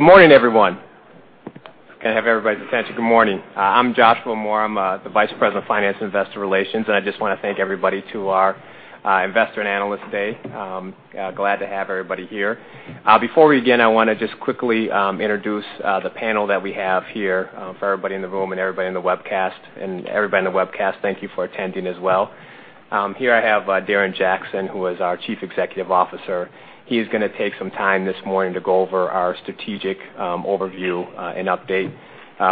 Good morning, everyone. Can I have everybody's attention? Good morning. I'm Joshua Moore. I'm the Vice President of Finance and Investor Relations. I just want to thank everybody to our Investor and Analyst Day. Glad to have everybody here. Before we begin, I want to just quickly introduce the panel that we have here for everybody in the room and everybody in the webcast. Everybody in the webcast, thank you for attending as well. Here I have Darren Jackson, who is our Chief Executive Officer. He is going to take some time this morning to go over our strategic overview and update.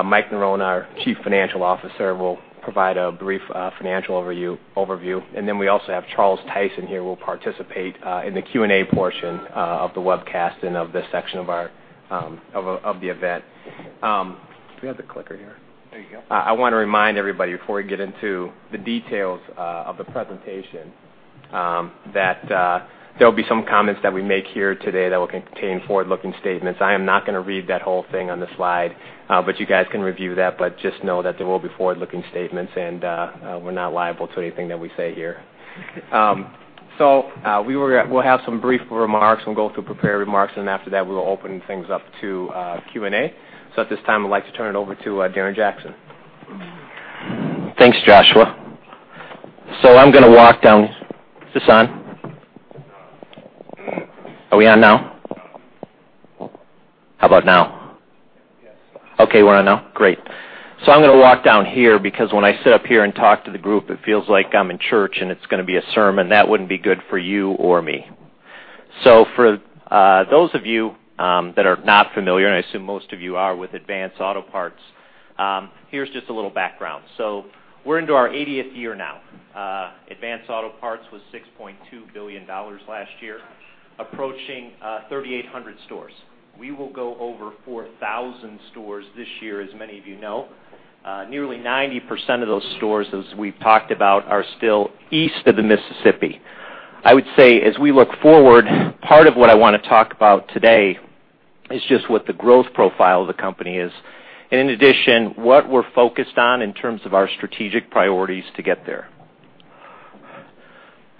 Mike Norona, our Chief Financial Officer, will provide a brief financial overview. We also have Charles Tyson here, will participate in the Q&A portion of the webcast and of this section of the event. Do we have the clicker here? There you go. I want to remind everybody, before we get into the details of the presentation, that there'll be some comments that we make here today that will contain forward-looking statements. I am not going to read that whole thing on the slide. You guys can review that. Just know that there will be forward-looking statements, and we're not liable to anything that we say here. We'll have some brief remarks. We'll go through prepared remarks. After that, we'll open things up to Q&A. At this time, I'd like to turn it over to Darren Jackson. Thanks, Joshua. Is this on? Are we on now? How about now? Yes. Okay, we're on now? Great. I'm going to walk down here because when I sit up here and talk to the group, it feels like I'm in church and it's going to be a sermon. That wouldn't be good for you or me. For those of you that are not familiar, and I assume most of you are with Advance Auto Parts, here's just a little background. We're into our 80th year now. Advance Auto Parts was $6.2 billion last year, approaching 3,800 stores. We will go over 4,000 stores this year, as many of you know. Nearly 90% of those stores, as we've talked about, are still east of the Mississippi. I would say, as we look forward, part of what I want to talk about today is just what the growth profile of the company is, and in addition, what we're focused on in terms of our strategic priorities to get there.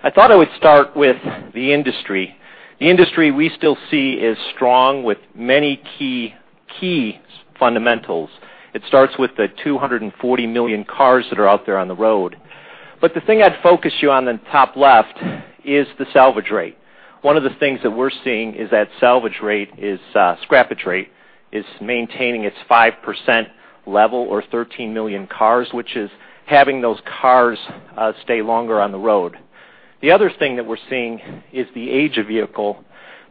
I thought I would start with the industry. The industry we still see is strong with many key fundamentals. It starts with the 240 million cars that are out there on the road. The thing I'd focus you on in the top left is the salvage rate. One of the things that we're seeing is that scrappage rate is maintaining its 5% level or 13 million cars, which is having those cars stay longer on the road. The other thing that we're seeing is the age of vehicle.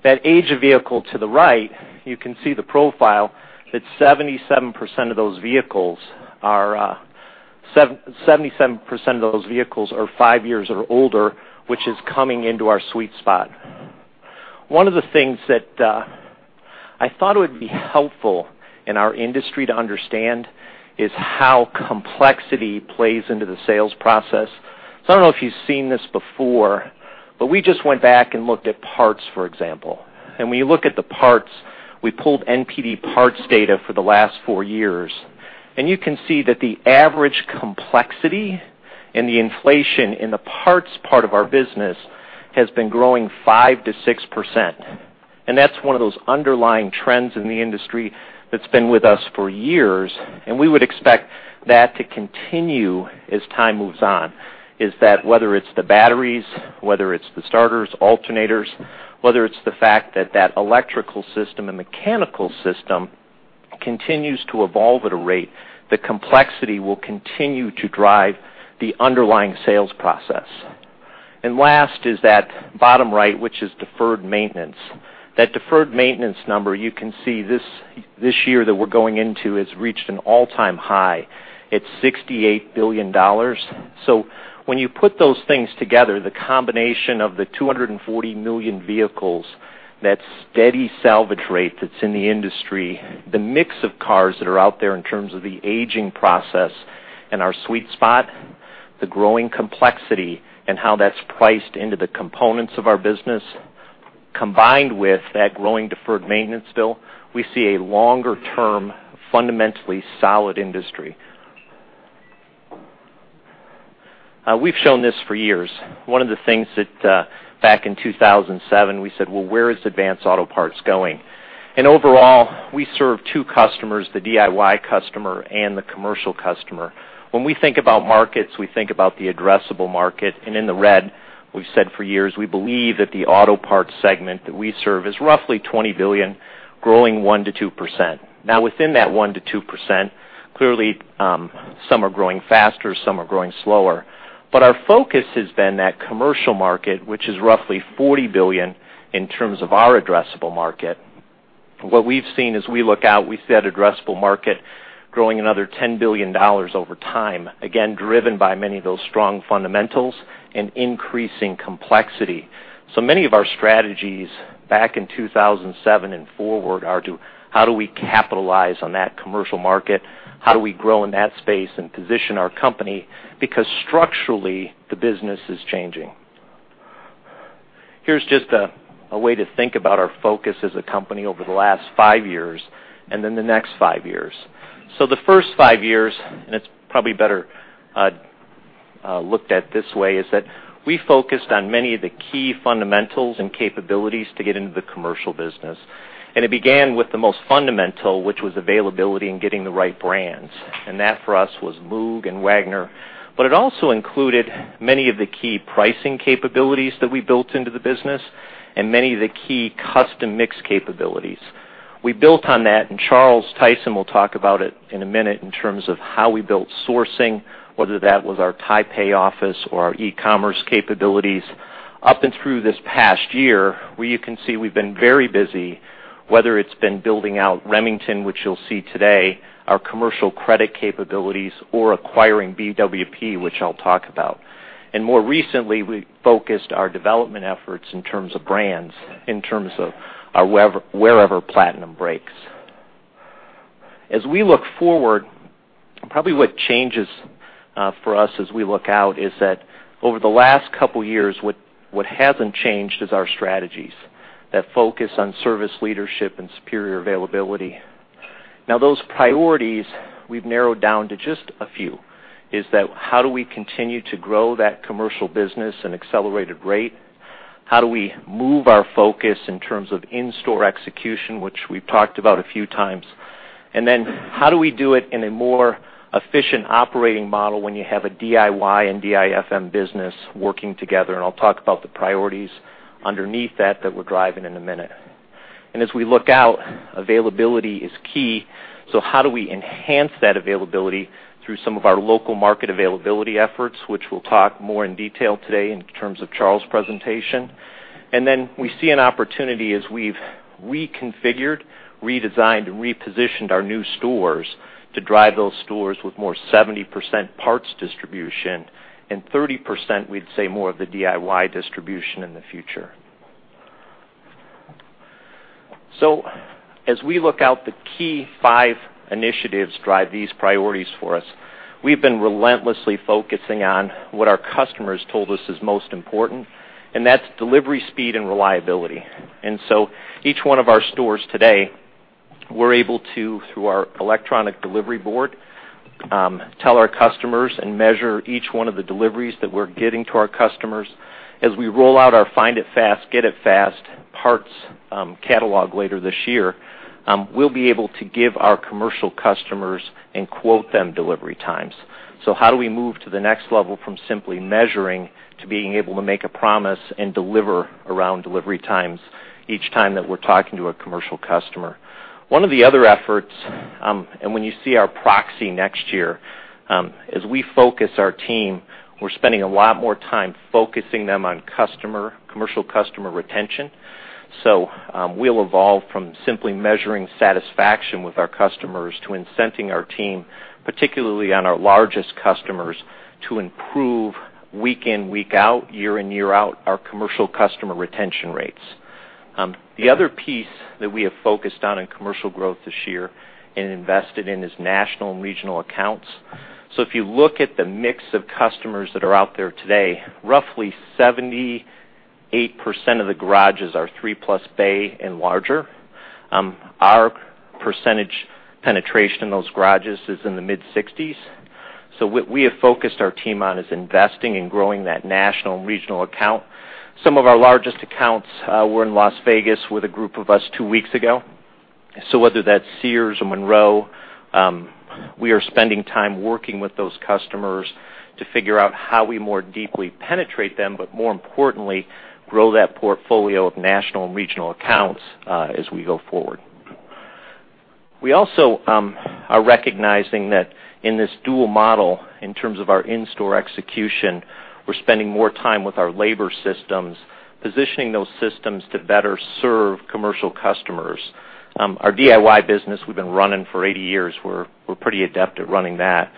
That age of vehicle to the right, you can see the profile that 77% of those vehicles are 5 years or older, which is coming into our sweet spot. One of the things that I thought would be helpful in our industry to understand is how complexity plays into the sales process. I don't know if you've seen this before, but we just went back and looked at parts, for example. When you look at the parts, we pulled NPD parts data for the last 4 years, and you can see that the average complexity and the inflation in the parts part of our business has been growing 5%-6%. That's one of those underlying trends in the industry that's been with us for years, and we would expect that to continue as time moves on. Is that whether it's the batteries, whether it's the starters, alternators, whether it's the fact that that electrical system and mechanical system continues to evolve at a rate, the complexity will continue to drive the underlying sales process. Last is that bottom right, which is deferred maintenance. That deferred maintenance number, you can see this year that we're going into has reached an all-time high. It's $68 billion. When you put those things together, the combination of the 240 million vehicles, that steady salvage rate that's in the industry, the mix of cars that are out there in terms of the aging process and our sweet spot, the growing complexity and how that's priced into the components of our business, combined with that growing deferred maintenance bill, we see a longer-term, fundamentally solid industry. We've shown this for years. One of the things that back in 2007, we said, "Well, where is Advance Auto Parts going?" Overall, we serve two customers, the DIY customer and the commercial customer. When we think about markets, we think about the addressable market. In the red, we've said for years, we believe that the auto parts segment that we serve is roughly $20 billion, growing 1%-2%. Within that 1%-2%, clearly some are growing faster, some are growing slower. Our focus has been that commercial market, which is roughly $40 billion in terms of our addressable market. What we've seen as we look out, we see that addressable market growing another $10 billion over time, again, driven by many of those strong fundamentals and increasing complexity. Many of our strategies back in 2007 and forward are to, how do we capitalize on that commercial market? How do we grow in that space and position our company? Because structurally, the business is changing. Here's just a way to think about our focus as a company over the last five years and then the next five years. The first five years, it's probably better looked at this way is that we focused on many of the key fundamentals and capabilities to get into the commercial business. It began with the most fundamental, which was availability and getting the right brands. That, for us, was Moog and Wagner. It also included many of the key pricing capabilities that we built into the business and many of the key custom mix capabilities. We built on that, Charles Tyson will talk about it in a minute in terms of how we built sourcing, whether that was our Taipei office or our e-commerce capabilities. Up and through this past year, where you can see we've been very busy, whether it's been building out Remington, which you'll see today, our commercial credit capabilities or acquiring BWP, which I'll talk about. More recently, we focused our development efforts in terms of brands, in terms of our Wearever Platinum Brakes. As we look forward, probably what changes for us as we look out is that over the last couple of years, what hasn't changed is our strategies that focus on service leadership and superior availability. Those priorities we've narrowed down to just a few, is that how do we continue to grow that commercial business at an accelerated rate? How do we move our focus in terms of in-store execution, which we've talked about a few times? How do we do it in a more efficient operating model when you have a DIY and DIFM business working together? I'll talk about the priorities underneath that we're driving in a minute. As we look out, availability is key. How do we enhance that availability through some of our local market availability efforts, which we'll talk more in detail today in terms of Charles' presentation. Then we see an opportunity as we've reconfigured, redesigned, and repositioned our new stores to drive those stores with more 70% parts distribution and 30%, we'd say, more of the DIY distribution in the future. As we look out, the key five initiatives drive these priorities for us. We've been relentlessly focusing on what our customers told us is most important, and that's delivery speed and reliability. Each one of our stores today, we're able to, through our electronic delivery board, tell our customers and measure each one of the deliveries that we're getting to our customers. As we roll out our Find It Fast, Get It Fast parts catalog later this year, we'll be able to give our commercial customers and quote them delivery times. How do we move to the next level from simply measuring to being able to make a promise and deliver around delivery times each time that we're talking to a commercial customer? One of the other efforts, and when you see our proxy next year, as we focus our team, we're spending a lot more time focusing them on commercial customer retention. We'll evolve from simply measuring satisfaction with our customers to incenting our team, particularly on our largest customers, to improve week in, week out, year in, year out, our commercial customer retention rates. The other piece that we have focused on in commercial growth this year and invested in is national and regional accounts. If you look at the mix of customers that are out there today, roughly 78% of the garages are three-plus bay and larger. Our percentage penetration in those garages is in the mid-60s. What we have focused our team on is investing in growing that national and regional account. Some of our largest accounts were in Las Vegas with a group of us two weeks ago. Whether that's Sears or Monroe, we are spending time working with those customers to figure out how we more deeply penetrate them, but more importantly, grow that portfolio of national and regional accounts as we go forward. We also are recognizing that in this dual model, in terms of our in-store execution, we're spending more time with our labor systems, positioning those systems to better serve commercial customers. Our DIY business we've been running for 80 years. We're pretty adept at running that.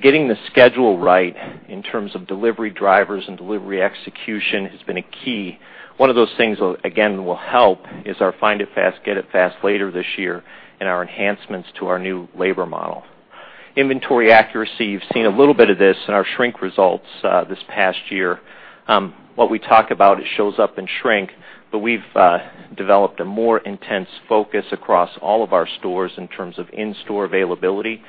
Getting the schedule right in terms of delivery drivers and delivery execution has been a key. One of those things, again, that will help is our Find It Fast, Get It Fast later this year and our enhancements to our new labor model. Inventory accuracy. You've seen a little bit of this in our shrink results this past year. What we talk about, it shows up in shrink, but we've developed a more intense focus across all of our stores in terms of in-store availability.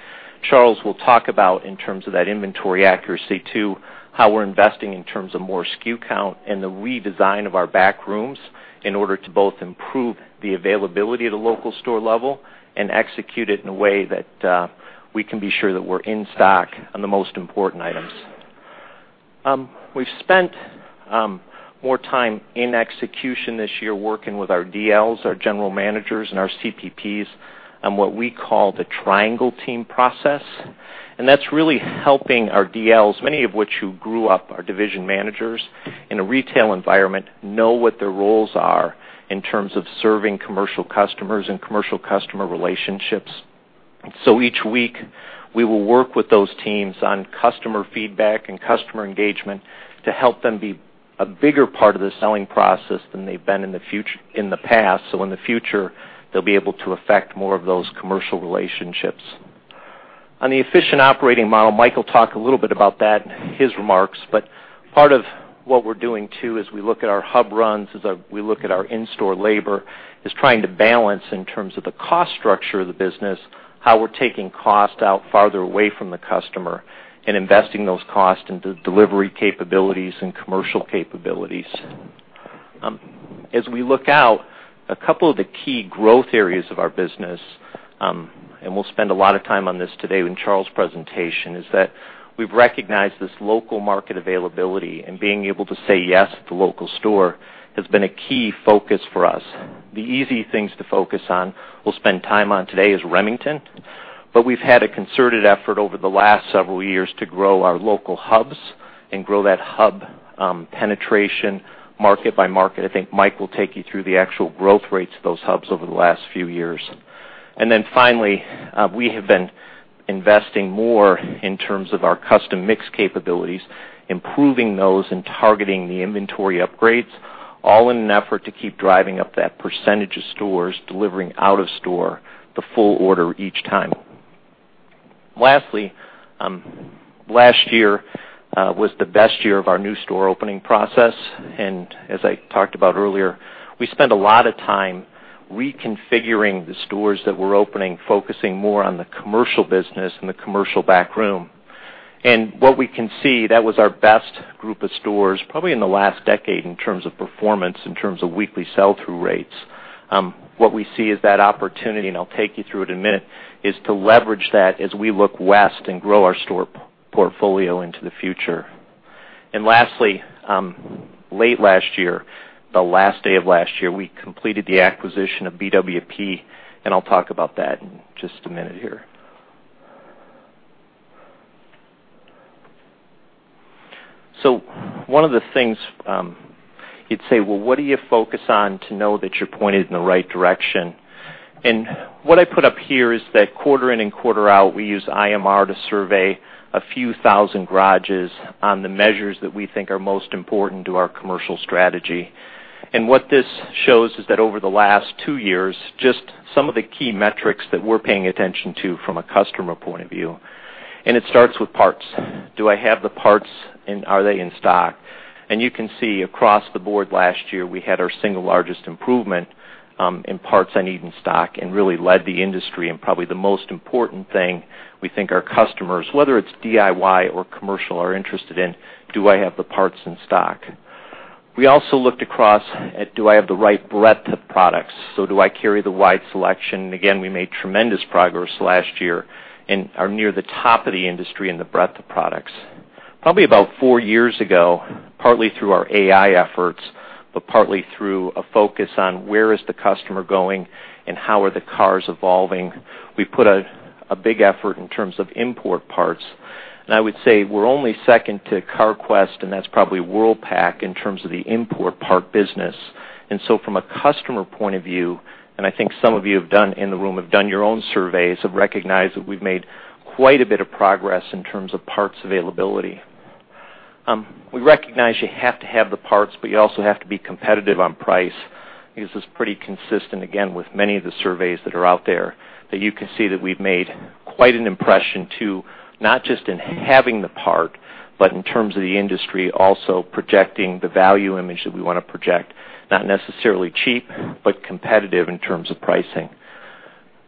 Charles will talk about in terms of that inventory accuracy, too, how we're investing in terms of more SKU count and the redesign of our back rooms in order to both improve the availability at a local store level and execute it in a way that we can be sure that we're in stock on the most important items. We've spent more time in execution this year working with our DLs, our general managers, and our CPPs on what we call the triangle team process. That's really helping our DLs, many of which who grew up are division managers in a retail environment, know what their roles are in terms of serving commercial customers and commercial customer relationships. Each week, we will work with those teams on customer feedback and customer engagement to help them be a bigger part of the selling process than they've been in the past. In the future, they'll be able to affect more of those commercial relationships. On the efficient operating model, Mike will talk a little bit about that in his remarks. Part of what we're doing too, as we look at our hub runs, as we look at our in-store labor, is trying to balance in terms of the cost structure of the business, how we're taking cost out farther away from the customer and investing those costs into delivery capabilities and commercial capabilities. As we look out, a couple of the key growth areas of our business, we'll spend a lot of time on this today in Charles' presentation, is that we've recognized this local market availability and being able to say yes at the local store has been a key focus for us. The easy things to focus on, we'll spend time on today, is Remington, but we've had a concerted effort over the last several years to grow our local hubs and grow that hub penetration market by market. I think Mike will take you through the actual growth rates of those hubs over the last few years. Finally, we have been investing more in terms of our custom mix capabilities, improving those and targeting the inventory upgrades, all in an effort to keep driving up that percentage of stores delivering out of store the full order each time. Lastly, last year was the best year of our new store opening process, as I talked about earlier, we spent a lot of time reconfiguring the stores that we're opening, focusing more on the commercial business and the commercial back room. What we can see, that was our best group of stores, probably in the last decade, in terms of performance, in terms of weekly sell-through rates. What we see is that opportunity, I'll take you through it in a minute, is to leverage that as we look west and grow our store portfolio into the future. Lastly, late last year, the last day of last year, we completed the acquisition of BWP., I'll talk about that in just a minute here. One of the things you'd say, "Well, what do you focus on to know that you're pointed in the right direction?" What I put up here is that quarter in and quarter out, we use IMR to survey a few thousand garages on the measures that we think are most important to our commercial strategy. What this shows is that over the last two years, just some of the key metrics that we're paying attention to from a customer point of view, it starts with parts. Do I have the parts, and are they in stock? You can see across the board last year, we had our single largest improvement in parts I need in stock and really led the industry in probably the most important thing we think our customers, whether it's DIY or commercial, are interested in, do I have the parts in stock? We also looked across at do I have the right breadth of products? Do I carry the wide selection? Again, we made tremendous progress last year and are near the top of the industry in the breadth of products. Probably about four years ago, partly through our AI efforts, but partly through a focus on where is the customer going and how are the cars evolving, we put a big effort in terms of import parts. I would say we're only second to Carquest, and that's probably Worldpac in terms of the import part business. From a customer point of view, and I think some of you in the room have done your own surveys, have recognized that we've made quite a bit of progress in terms of parts availability. We recognize you have to have the parts, but you also have to be competitive on price. This is pretty consistent, again, with many of the surveys that are out there, that you can see that we've made quite an impression too, not just in having the part, but in terms of the industry also projecting the value image that we want to project, not necessarily cheap, but competitive in terms of pricing.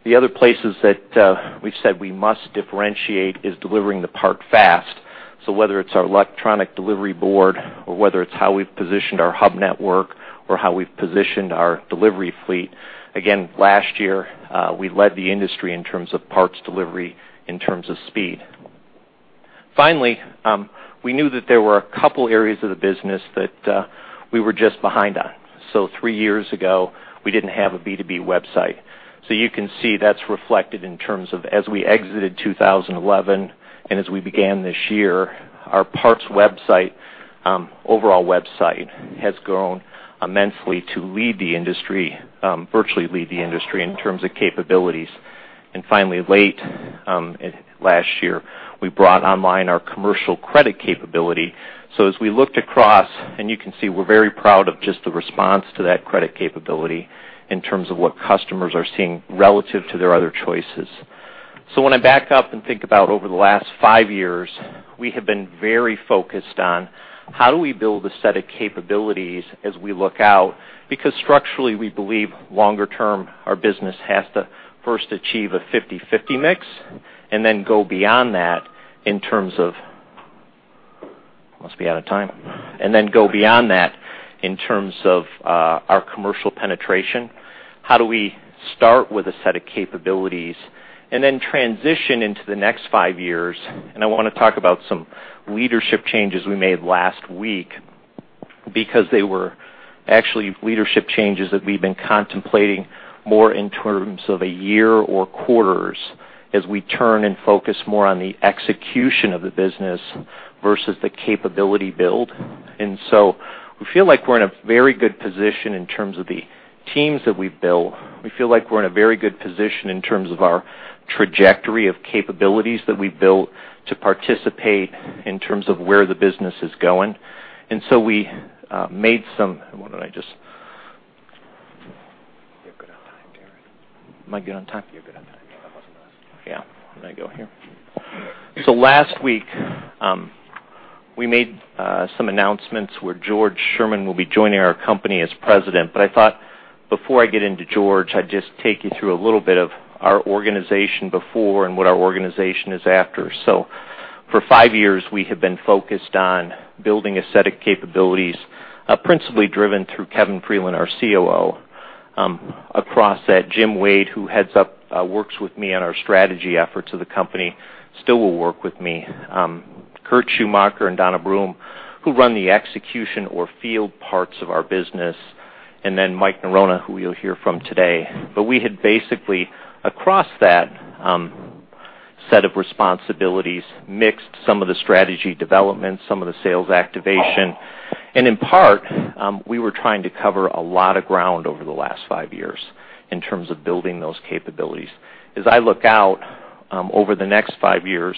The other places that we've said we must differentiate is delivering the part fast. Whether it's our electronic delivery board or whether it's how we've positioned our hub network or how we've positioned our delivery fleet, again, last year, we led the industry in terms of parts delivery, in terms of speed. Finally, we knew that there were a couple areas of the business that we were just behind on. Three years ago, we didn't have a B2B website. You can see that's reflected in terms of as we exited 2011 and as we began this year, our parts website, overall website, has grown immensely to lead the industry, virtually lead the industry in terms of capabilities. Finally, late last year, we brought online our commercial credit capability. As we looked across, and you can see we're very proud of just the response to that credit capability in terms of what customers are seeing relative to their other choices. When I back up and think about over the last five years, we have been very focused on how do we build a set of capabilities as we look out, because structurally, we believe longer term, our business has to first achieve a 50/50 mix, and then go beyond that in terms of Must be out of time. Then go beyond that in terms of our commercial penetration. How do we start with a set of capabilities and then transition into the next five years? I want to talk about some leadership changes we made last week because they were actually leadership changes that we've been contemplating more in terms of a year or quarters as we turn and focus more on the execution of the business versus the capability build. We feel like we're in a very good position in terms of the teams that we've built. We feel like we're in a very good position in terms of our trajectory of capabilities that we've built to participate in terms of where the business is going. Why don't I just Am I good on time? You're good on time. Yeah, that was nice. Yeah. I'm going to go here. Last week, we made some announcements where George Sherman will be joining our company as President. I thought before I get into George, I'd just take you through a little bit of our organization before and what our organization is after. For five years, we have been focused on building strategic capabilities, principally driven through Kevin Freeland, our COO. Across that, Jim Wade, who heads up, works with me on our strategy efforts of the company, still will work with me. Kurt Schumacher and Donna Broome, who run the execution or field parts of our business, and then Mike Norona, who you'll hear from today. We had basically, across that set of responsibilities, mixed some of the strategy development, some of the sales activation. In part, we were trying to cover a lot of ground over the last five years in terms of building those capabilities. As I look out over the next five years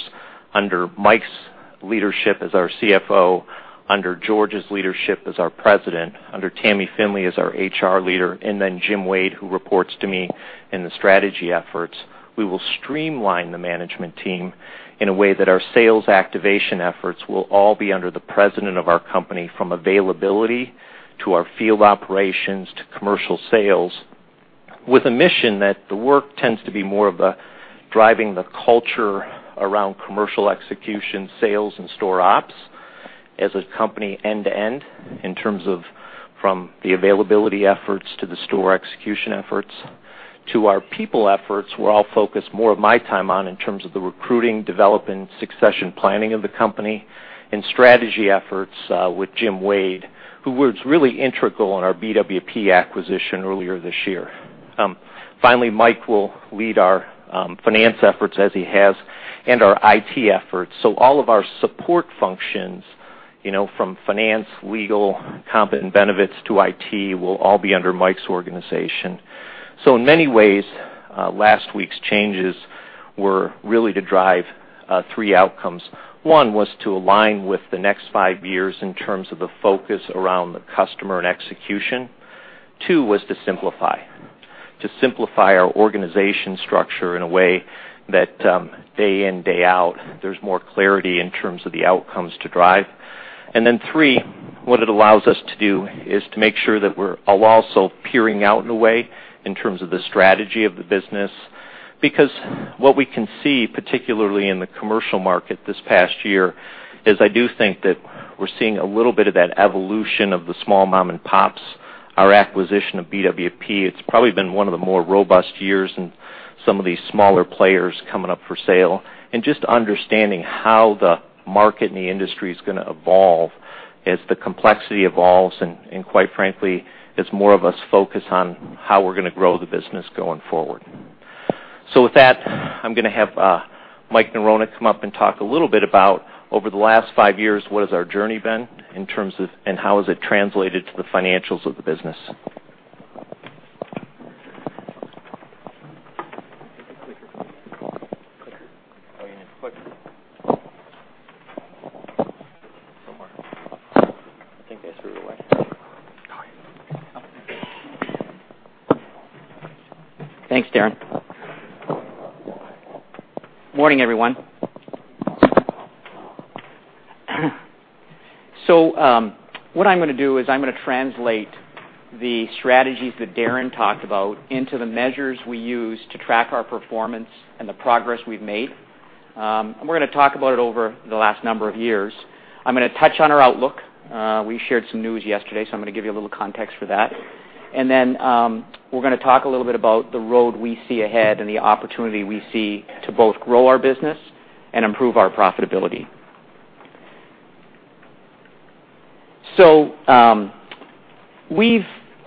under Mike's leadership as our CFO, under George's leadership as our President, under Tammy Finley as our HR leader, Jim Wade, who reports to me in the strategy efforts, we will streamline the management team in a way that our sales activation efforts will all be under the President of our company, from availability to our field operations to commercial sales, with a mission that the work tends to be more of the driving the culture around commercial execution, sales, and store ops as a company end-to-end, in terms of from the availability efforts to the store execution efforts to our people efforts, where I'll focus more of my time on in terms of the recruiting, development, succession planning of the company and strategy efforts, with Jim Wade, who was really integral in our BWP acquisition earlier this year. Finally, Mike will lead our finance efforts as he has, and our IT efforts. All of our support functions from finance, legal, comp and benefits to IT will all be under Mike's organization. In many ways, last week's changes were really to drive three outcomes. One was to align with the next five years in terms of the focus around the customer and execution. Two was to simplify our organization structure in a way that day in, day out, there's more clarity in terms of the outcomes to drive. Three, what it allows us to do is to make sure that we're also peering out in a way in terms of the strategy of the business. Because what we can see, particularly in the commercial market this past year, is I do think that we're seeing a little bit of that evolution of the small mom and pops. Our acquisition of BWP, it's probably been one of the more robust years in some of these smaller players coming up for sale and just understanding how the market and the industry is going to evolve as the complexity evolves, and quite frankly, as more of us focus on how we're going to grow the business going forward. With that, I'm going to have Mike Norona come up and talk a little bit about over the last five years, what has our journey been in terms of, and how has it translated to the financials of the business? Take the clicker. Clicker. Oh, you need the clicker. Somewhere. I think I threw it away. No, I have it. Oh. Thanks, Darren. Morning, everyone. What I'm going to do is I'm going to translate the strategies that Darren talked about into the measures we use to track our performance and the progress we've made. We're going to talk about it over the last number of years. I'm going to touch on our outlook. We shared some news yesterday, so I'm going to give you a little context for that. Then we're going to talk a little bit about the road we see ahead and the opportunity we see to both grow our business and improve our profitability.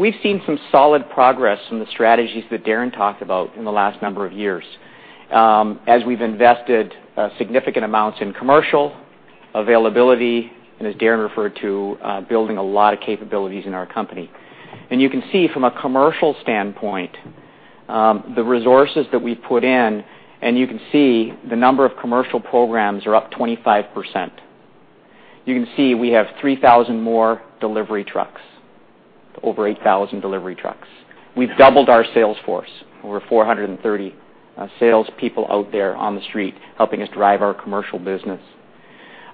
We've seen some solid progress in the strategies that Darren talked about in the last number of years as we've invested significant amounts in commercial availability and, as Darren referred to, building a lot of capabilities in our company. You can see from a commercial standpoint, the resources that we've put in, and you can see the number of commercial programs are up 25%. You can see we have 3,000 more delivery trucks, over 8,000 delivery trucks. We've doubled our sales force. Over 430 salespeople out there on the street helping us drive our commercial business.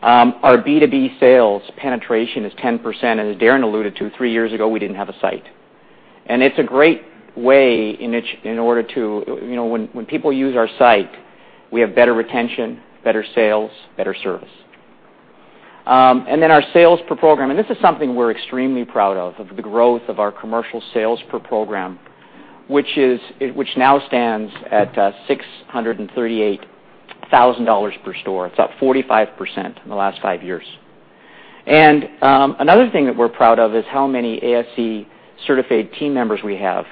Our B2B sales penetration is 10%, and as Darren alluded to, three years ago, we didn't have a site. It's a great way in order to, when people use our site, we have better retention, better sales, better service. Our sales per program, and this is something we're extremely proud of the growth of our commercial sales per program, which now stands at $638,000 per store. It's up 45% in the last five years. Another thing that we're proud of is how many ASE-certified team members we have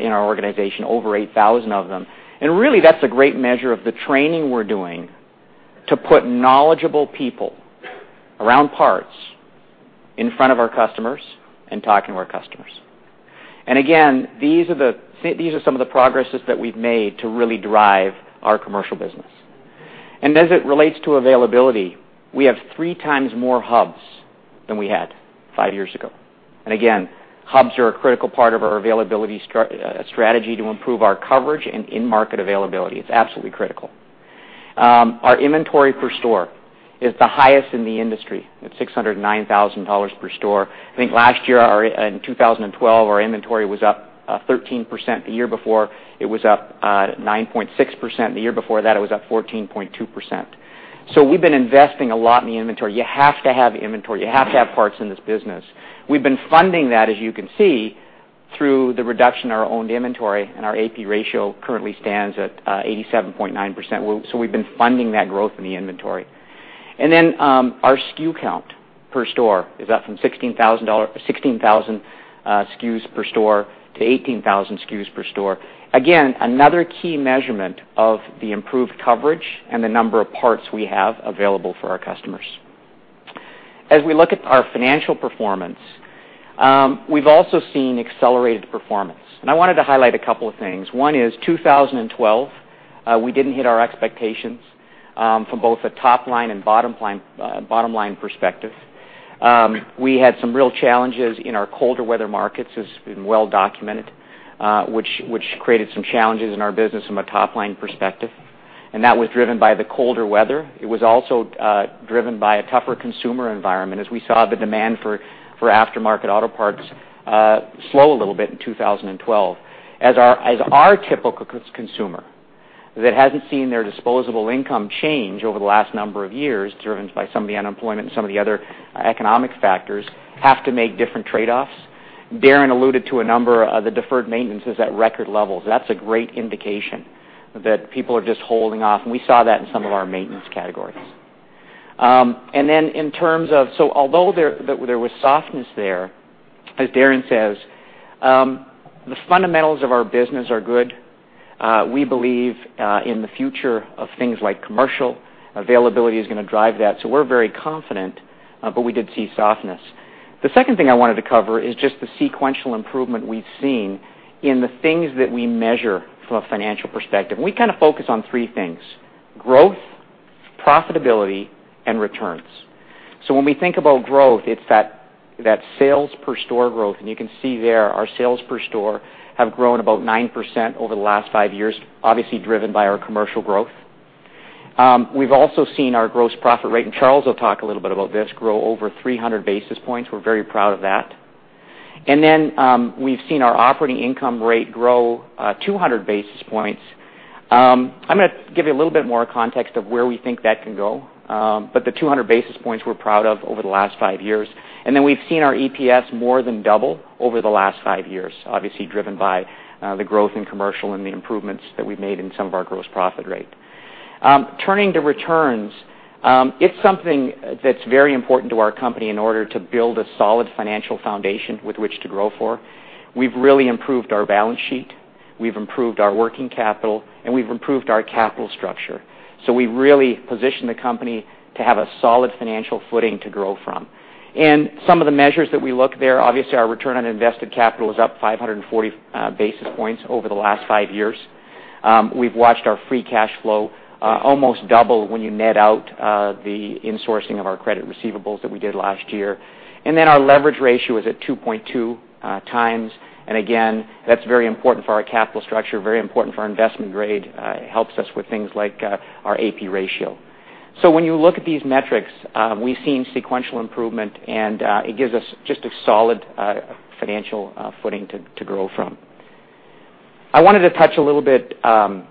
in our organization, over 8,000 of them. Really, that's a great measure of the training we're doing to put knowledgeable people around parts in front of our customers and talking to our customers. Again, these are some of the progresses that we've made to really drive our commercial business. As it relates to availability, we have three times more hubs than we had five years ago. Again, hubs are a critical part of our availability strategy to improve our coverage and in-market availability. It's absolutely critical. Our inventory per store is the highest in the industry at $609,000 per store. I think last year, in 2012, our inventory was up 13%. The year before, it was up 9.6%. The year before that, it was up 14.2%. We've been investing a lot in the inventory. You have to have inventory. You have to have parts in this business. We've been funding that, as you can see, through the reduction in our owned inventory, and our AP ratio currently stands at 87.9%. We've been funding that growth in the inventory. Our SKU count per store is up from 16,000 SKUs per store to 18,000 SKUs per store. Again, another key measurement of the improved coverage and the number of parts we have available for our customers. As we look at our financial performance, we've also seen accelerated performance. I wanted to highlight a couple of things. One is, 2012, we didn't hit our expectations from both a top-line and bottom-line perspective. We had some real challenges in our colder weather markets, as has been well-documented, which created some challenges in our business from a top-line perspective. That was driven by the colder weather. It was also driven by a tougher consumer environment as we saw the demand for aftermarket auto parts slow a little bit in 2012. As our typical consumer that hasn't seen their disposable income change over the last number of years, driven by some of the unemployment and some of the other economic factors, have to make different trade-offs. Darren alluded to a number of the deferred maintenance is at record levels. That's a great indication that people are just holding off, and we saw that in some of our maintenance categories. Although there was softness there, as Darren says, the fundamentals of our business are good. We believe in the future of things like commercial. Availability is going to drive that. We're very confident, but we did see softness. The second thing I wanted to cover is just the sequential improvement we've seen in the things that we measure from a financial perspective. We kind of focus on three things, growth, profitability, and returns. When we think about growth, it's that sales per store growth. You can see there, our sales per store have grown about 9% over the last five years, obviously driven by our commercial growth. We've also seen our gross profit rate, and Charles will talk a little bit about this, grow over 300 basis points. We're very proud of that. We've seen our operating income rate grow 200 basis points. I'm going to give you a little bit more context of where we think that can go. The 200 basis points we're proud of over the last five years. Then we've seen our EPS more than double over the last five years, obviously driven by the growth in commercial and the improvements that we've made in some of our gross profit rate. Turning to returns, it's something that's very important to our company in order to build a solid financial foundation with which to grow for. We've really improved our balance sheet, we've improved our working capital, and we've improved our capital structure. We've really positioned the company to have a solid financial footing to grow from. Some of the measures that we look there, obviously, our return on invested capital is up 540 basis points over the last five years. We've watched our free cash flow almost double when you net out the insourcing of our credit receivables that we did last year. Then our leverage ratio is at 2.2 times. Again, that's very important for our capital structure, very important for our investment grade. It helps us with things like our AP ratio. When you look at these metrics, we've seen sequential improvement, and it gives us just a solid financial footing to grow from. I wanted to touch a little bit on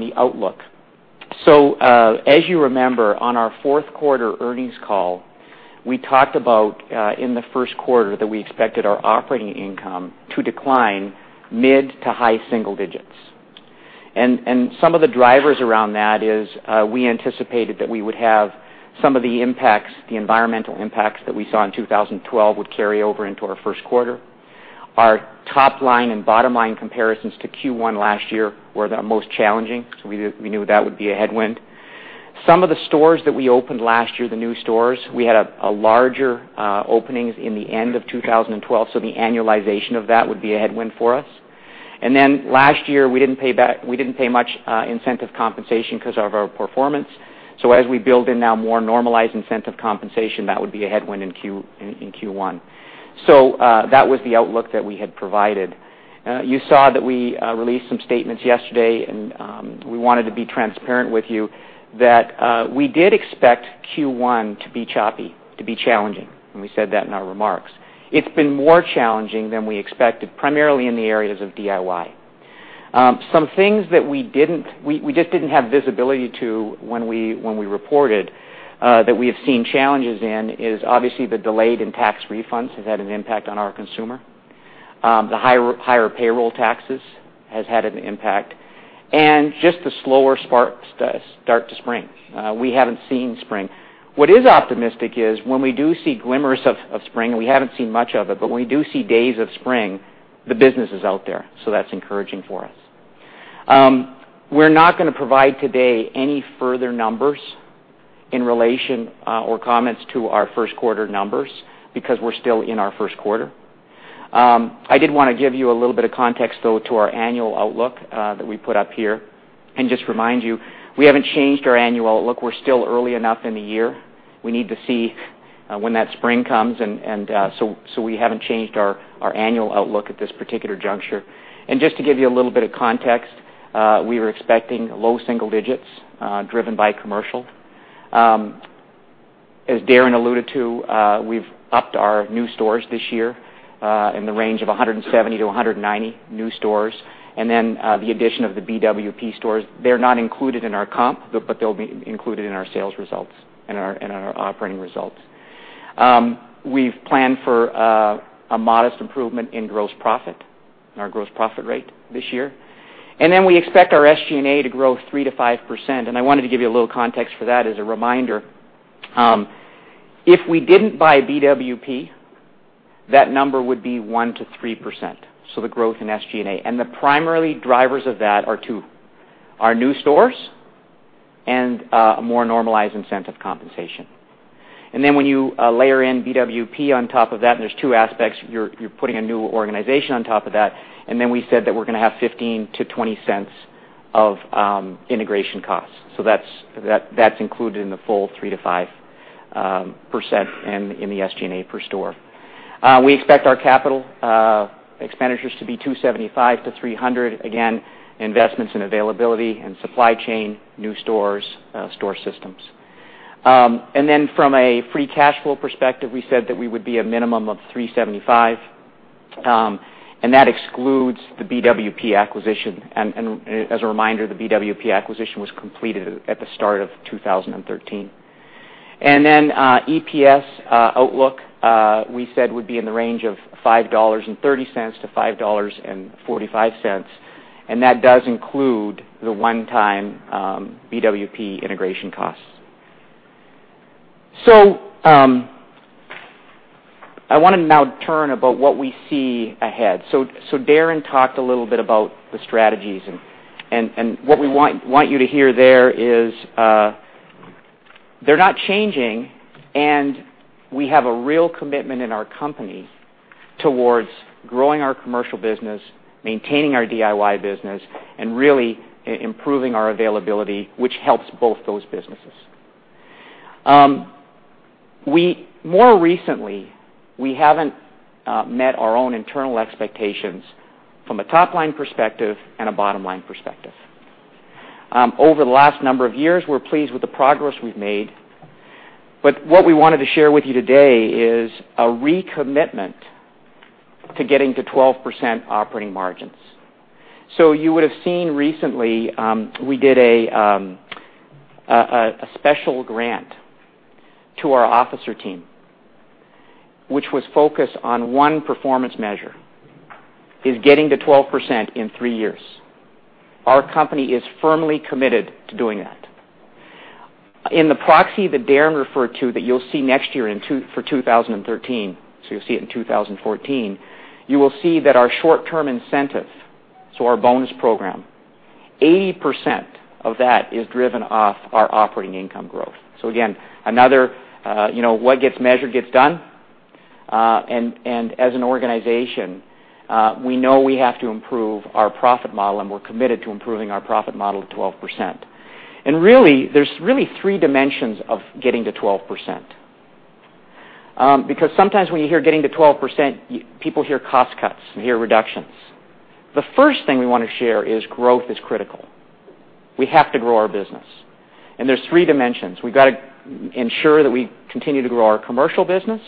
the outlook. As you remember, on our fourth quarter earnings call, we talked about in the first quarter that we expected our operating income to decline mid to high single digits. Some of the drivers around that is we anticipated that we would have some of the impacts, the environmental impacts that we saw in 2012 would carry over into our first quarter. Our top-line and bottom-line comparisons to Q1 last year were the most challenging, we knew that would be a headwind. Some of the stores that we opened last year, the new stores, we had a larger openings in the end of 2012, the annualization of that would be a headwind for us. Then last year, we didn't pay much incentive compensation because of our performance. As we build in now more normalized incentive compensation, that would be a headwind in Q1. That was the outlook that we had provided. You saw that we released some statements yesterday. We wanted to be transparent with you that we did expect Q1 to be choppy, to be challenging, and we said that in our remarks. It's been more challenging than we expected, primarily in the areas of DIY. Some things that we just didn't have visibility to when we reported that we have seen challenges in is obviously the delayed in tax refunds has had an impact on our consumer. The higher payroll taxes has had an impact. Just the slower start to spring. We haven't seen spring. What is optimistic is when we do see glimmers of spring, we haven't seen much of it. When we do see days of spring, the business is out there, so that's encouraging for us. We're not going to provide today any further numbers in relation or comments to our first quarter numbers because we're still in our first quarter. I did want to give you a little bit of context, though, to our annual outlook that we put up here. Just remind you, we haven't changed our annual outlook. We're still early enough in the year. We need to see when that spring comes. We haven't changed our annual outlook at this particular juncture. Just to give you a little bit of context, we were expecting low single digits, driven by commercial. As Darren alluded to, we've upped our new stores this year in the range of 170 to 190 new stores. The addition of the BWP stores. They're not included in our comp. They'll be included in our sales results and our operating results. We've planned for a modest improvement in gross profit and our gross profit rate this year. We expect our SG&A to grow 3%-5%. I wanted to give you a little context for that as a reminder. If we didn't buy BWP, that number would be 1%-3%. The growth in SG&A. The primary drivers of that are two: our new stores and a more normalized incentive compensation. When you layer in BWP on top of that, there's two aspects. You're putting a new organization on top of that. We said that we're going to have $0.15-$0.20 of integration costs. That's included in the full 3%-5% in the SG&A per store. We expect our capital expenditures to be $275-$300. Again, investments in availability and supply chain, new stores, store systems. From a free cash flow perspective, we said that we would be a minimum of $375, that excludes the BWP acquisition. As a reminder, the BWP acquisition was completed at the start of 2013. EPS outlook, we said would be in the range of $5.30 to $5.45, that does include the one-time BWP integration costs. I want to now turn about what we see ahead. Darren talked a little bit about the strategies. What we want you to hear there is they're not changing. We have a real commitment in our company towards growing our commercial business, maintaining our DIY business, really improving our availability, which helps both those businesses. More recently, we haven't met our own internal expectations from a top-line perspective and a bottom-line perspective. Over the last number of years, we're pleased with the progress we've made. What we wanted to share with you today is a recommitment to getting to 12% operating margins. You would have seen recently, we did a special grant to our officer team, which was focused on one performance measure, is getting to 12% in three years. Our company is firmly committed to doing that. In the proxy that Darren referred to that you'll see next year for 2013, you'll see it in 2014, you will see that our short-term incentive, our bonus program, 80% of that is driven off our operating income growth. Again, what gets measured get done. As an organization, we know we have to improve our profit model, and we're committed to improving our profit model to 12%. There's really three dimensions of getting to 12%. Sometimes when you hear getting to 12%, people hear cost cuts and hear reductions. The first thing we want to share is growth is critical. We have to grow our business. There's three dimensions. We've got to ensure that we continue to grow our commercial business.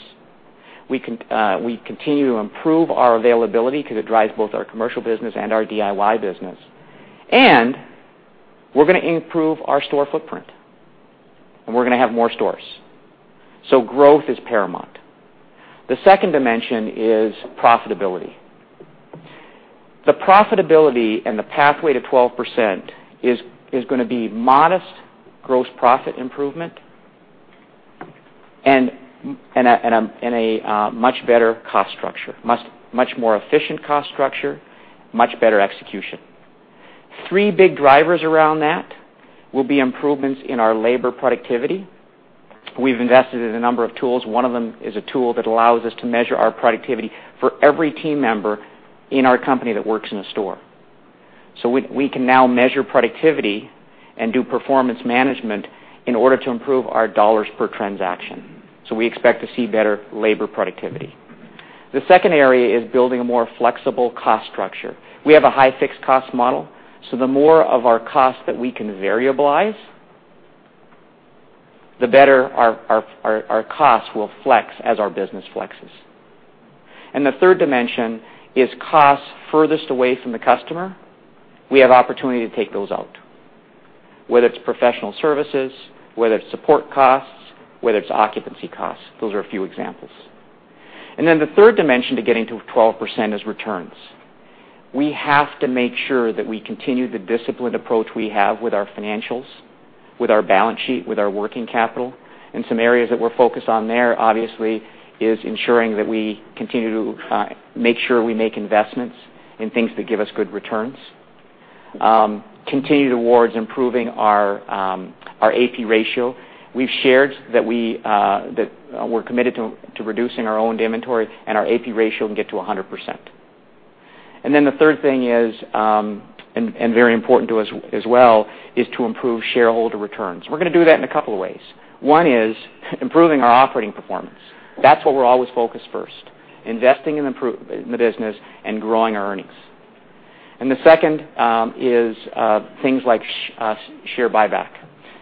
We continue to improve our availability because it drives both our commercial business and our DIY business. We're going to improve our store footprint, and we're going to have more stores. Growth is paramount. The second dimension is profitability. The profitability and the pathway to 12% is going to be modest gross profit improvement and a much better cost structure, much more efficient cost structure, much better execution. Three big drivers around that will be improvements in our labor productivity. We've invested in a number of tools. One of them is a tool that allows us to measure our productivity for every team member in our company that works in a store. We can now measure productivity and do performance management in order to improve our dollars per transaction. We expect to see better labor productivity. The second area is building a more flexible cost structure. We have a high fixed cost model, the more of our cost that we can variabilize, the better our costs will flex as our business flexes. The third dimension is costs furthest away from the customer. We have opportunity to take those out, whether it's professional services, whether it's support costs, whether it's occupancy costs. Those are a few examples. Then the third dimension to getting to 12% is returns. We have to make sure that we continue the disciplined approach we have with our financials, with our balance sheet, with our working capital. Some areas that we're focused on there, obviously, is ensuring that we continue to make sure we make investments in things that give us good returns. Continue towards improving our AP ratio. We've shared that we're committed to reducing our own inventory and our AP ratio and get to 100%. Then the third thing is, and very important to us as well, is to improve shareholder returns. We're going to do that in a couple of ways. One is improving our operating performance. That's what we're always focused first, investing in the business and growing our earnings. The second is things like share buyback.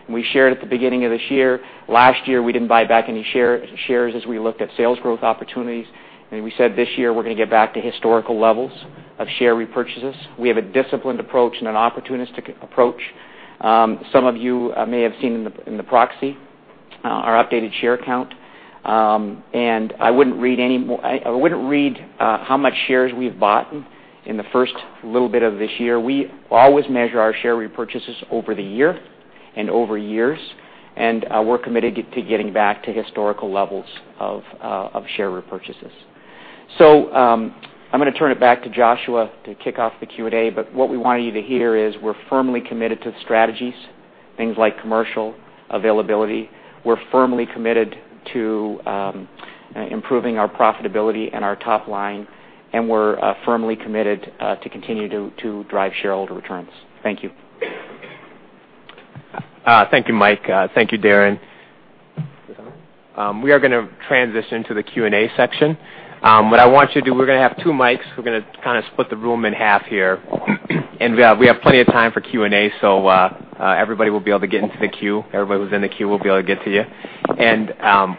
We shared at the beginning of this year, last year, we didn't buy back any shares as we looked at sales growth opportunities. We said this year we're going to get back to historical levels of share repurchases. We have a disciplined approach and an opportunistic approach. Some of you may have seen in the proxy our updated share count. I wouldn't read how much shares we've bought in the first little bit of this year. We always measure our share repurchases over the year and over years, and we're committed to getting back to historical levels of share repurchases. I'm going to turn it back to Joshua to kick off the Q&A, but what we want you to hear is we're firmly committed to the strategies, things like commercial availability. We're firmly committed to improving our profitability and our top line, we're firmly committed to continue to drive shareholder returns. Thank you. Thank you, Mike. Thank you, Darren. We are going to transition to the Q&A section. What I want you to do, we're going to have two mics. We're going to kind of split the room in half here. We have plenty of time for Q&A, so everybody will be able to get into the queue. Everybody who's in the queue will be able to get to you.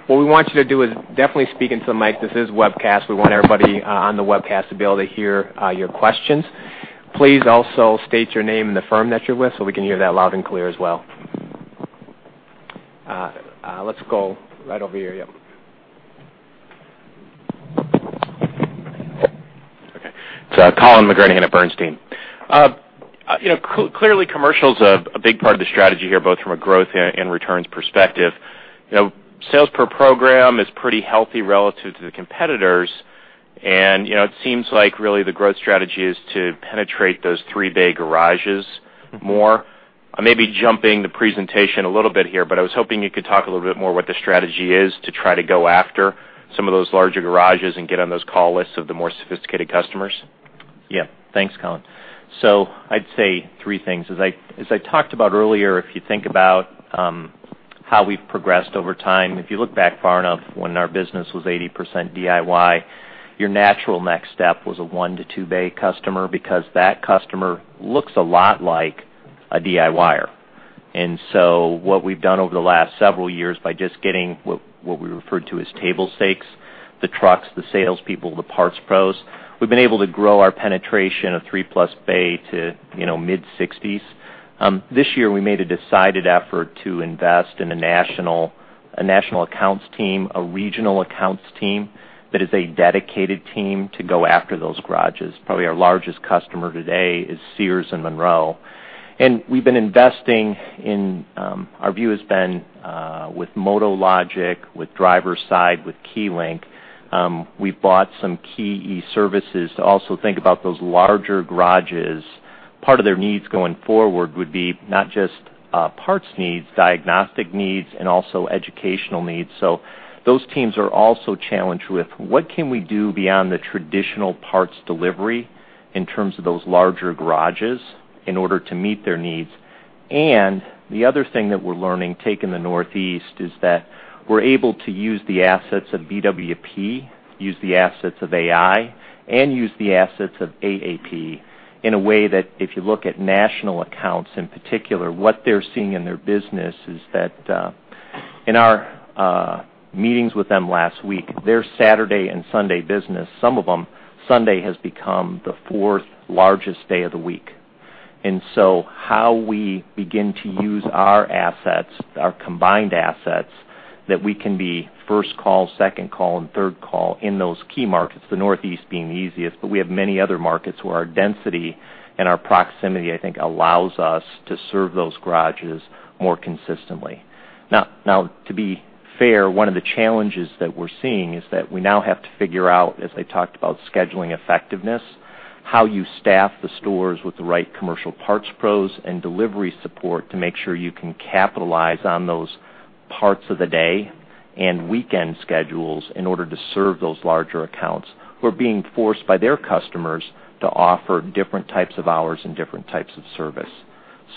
What we want you to do is definitely speak into the mic. This is a webcast. We want everybody on the webcast to be able to hear your questions. Please also state your name and the firm that you're with so we can hear that loud and clear as well. Let's go right over here. Yep. Okay. Colin McGranahan at Bernstein. Clearly, commercial's a big part of the strategy here, both from a growth and returns perspective. Sales per program is pretty healthy relative to the competitors, it seems like really the growth strategy is to penetrate those three bay garages more. I may be jumping the presentation a little bit here, but I was hoping you could talk a little bit more what the strategy is to try to go after some of those larger garages and get on those call lists of the more sophisticated customers. Thanks, Colin. I'd say three things. As I talked about earlier, if you think about how we've progressed over time, if you look back far enough, when our business was 80% DIY, your natural next step was a one- to two-bay customer because that customer looks a lot like a DIYer. What we've done over the last several years by just getting what we referred to as table stakes, the trucks, the salespeople, the parts pros, we've been able to grow our penetration of three-plus bay to mid-60s. This year, we made a decided effort to invest in a national accounts team, a regional accounts team that is a dedicated team to go after those garages. Probably our largest customer today is Sears and Monroe. We've been investing in, our view has been, with MotoLogic, with Driveside, with KeyLink. We've bought some key e-services to also think about those larger garages. Part of their needs going forward would be not just parts needs, diagnostic needs, and also educational needs. Those teams are also challenged with what can we do beyond the traditional parts delivery in terms of those larger garages in order to meet their needs. The other thing that we're learning, taking the Northeast, is that we're able to use the assets of BWP., use the assets of AI, and use the assets of AAP in a way that if you look at national accounts in particular, what they're seeing in their business is that in our meetings with them last week, their Saturday and Sunday business, some of them, Sunday has become the fourth largest day of the week. How we begin to use our assets, our combined assets, that we can be first call, second call, and third call in those key markets, the Northeast being the easiest, but we have many other markets where our density and our proximity, I think, allows us to serve those garages more consistently. To be fair, one of the challenges that we're seeing is that we now have to figure out, as I talked about scheduling effectiveness, how you staff the stores with the right commercial parts pros and delivery support to make sure you can capitalize on those parts of the day and weekend schedules in order to serve those larger accounts who are being forced by their customers to offer different types of hours and different types of service.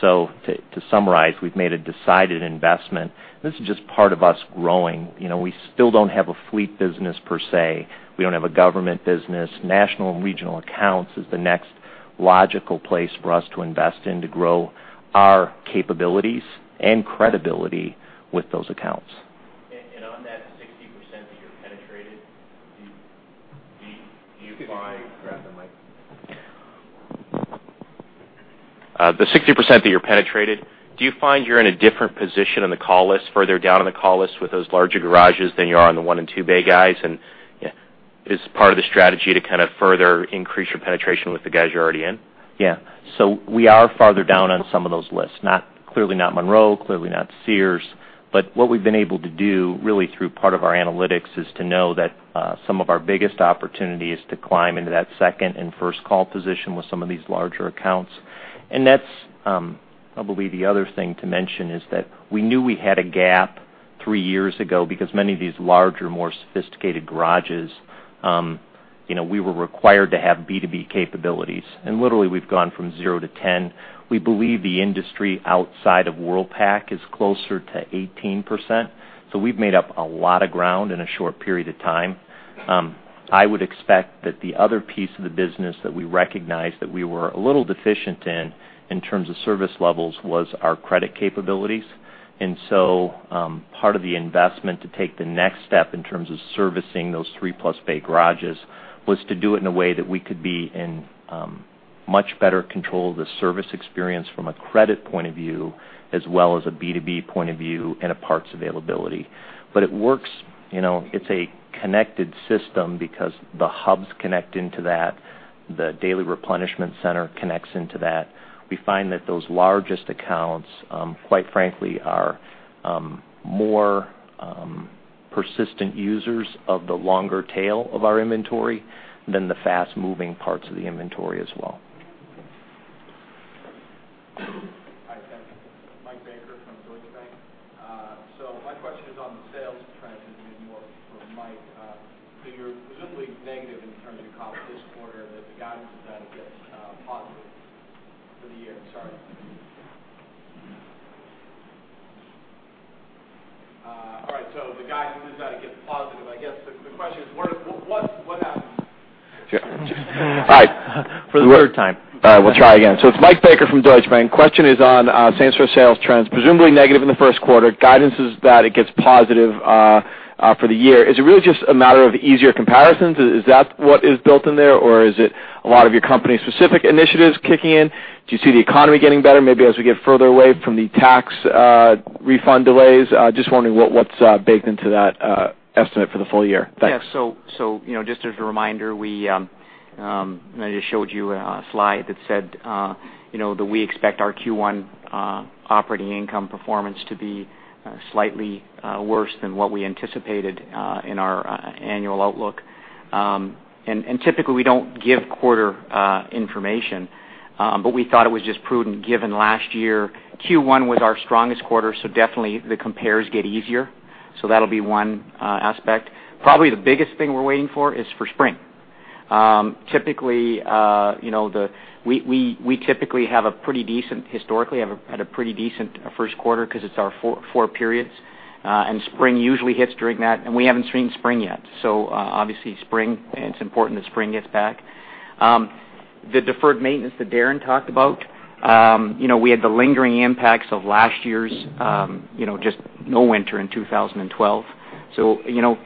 To summarize, we've made a decided investment. This is just part of us growing. We still don't have a fleet business per se. We don't have a government business. National and regional accounts is the next logical place for us to invest in to grow our capabilities and credibility with those accounts. On that 60% that you're penetrated, do you find. Grab the mic. The 60% that you're penetrated, do you find you're in a different position on the call list, further down on the call list with those larger garages than you are on the 1- and 2-bay guys? Is part of the strategy to kind of further increase your penetration with the guys you're already in? Yeah. We are farther down on some of those lists. Clearly not Monroe, clearly not Sears. What we've been able to do, really through part of our analytics, is to know that some of our biggest opportunity is to climb into that second and first call position with some of these larger accounts. That's probably the other thing to mention, is that we knew we had a gap three years ago because many of these larger, more sophisticated garages, we were required to have B2B capabilities. Literally we've gone from zero to 10. We believe the industry outside of Worldpac is closer to 18%. We've made up a lot of ground in a short period of time. I would expect that the other piece of the business that we recognized that we were a little deficient in terms of service levels, was our credit capabilities. Part of the investment to take the next step in terms of servicing those three-plus bay garages was to do it in a way that we could be in much better control of the service experience from a credit point of view, as well as a B2B point of view and a parts availability. It works. It's a connected system because the hubs connect into that. The daily replenishment center connects into that. We find that those largest accounts, quite frankly, are more persistent users of the longer tail of our inventory than the fast-moving parts of the inventory as well. Hi, thanks. Michael Baker from Deutsche Bank. My question is on the sales trends, and maybe more for Mike. You're presumably negative in terms of your comps this quarter, but the guidance is that it gets positive for the year. Sorry. All right, the guidance is that it gets positive. I guess the question is, what happens? All right. For the third time. All right, we'll try again. It's Michael Baker from Deutsche Bank. Question is on same-store sales trends, presumably negative in the first quarter. Guidance is that it gets positive for the year. Is it really just a matter of easier comparisons? Is that what is built in there, or is it a lot of your company's specific initiatives kicking in? Do you see the economy getting better, maybe as we get further away from the tax refund delays? Just wondering what's baked into that estimate for the full year. Thanks. Yeah. Just as a reminder, I just showed you a slide that said that we expect our Q1 operating income performance to be slightly worse than what we anticipated in our annual outlook. Typically, we don't give quarter information, but we thought it was just prudent given last year, Q1 was our strongest quarter, definitely the compares get easier. That'll be one aspect. Probably the biggest thing we're waiting for is for spring. We typically have a pretty decent, historically, had a pretty decent first quarter because it's our four periods. Spring usually hits during that, and we haven't seen spring yet. Obviously spring, it's important that spring gets back. The deferred maintenance that Darren talked about, we had the lingering impacts of last year's just no winter in 2012.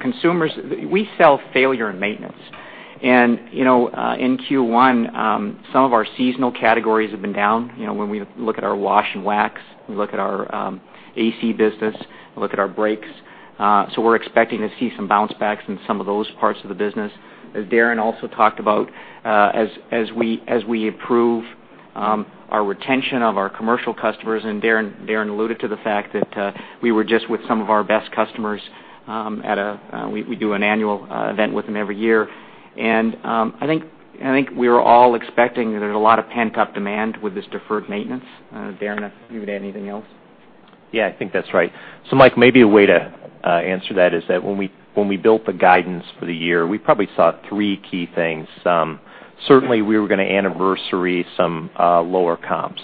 Consumers, we sell failure and maintenance. In Q1, some of our seasonal categories have been down. When we look at our wash and wax, we look at our AC business, we look at our brakes. We're expecting to see some bounce backs in some of those parts of the business. As Darren also talked about, as we improve our retention of our commercial customers, and Darren alluded to the fact that we were just with some of our best customers, we do an annual event with them every year. I think we were all expecting that there's a lot of pent-up demand with this deferred maintenance. Darren, if you would add anything else? Yeah, I think that's right. Mike, maybe a way to answer that is that when we built the guidance for the year, we probably saw three key things. Certainly, we were going to anniversary some lower comps.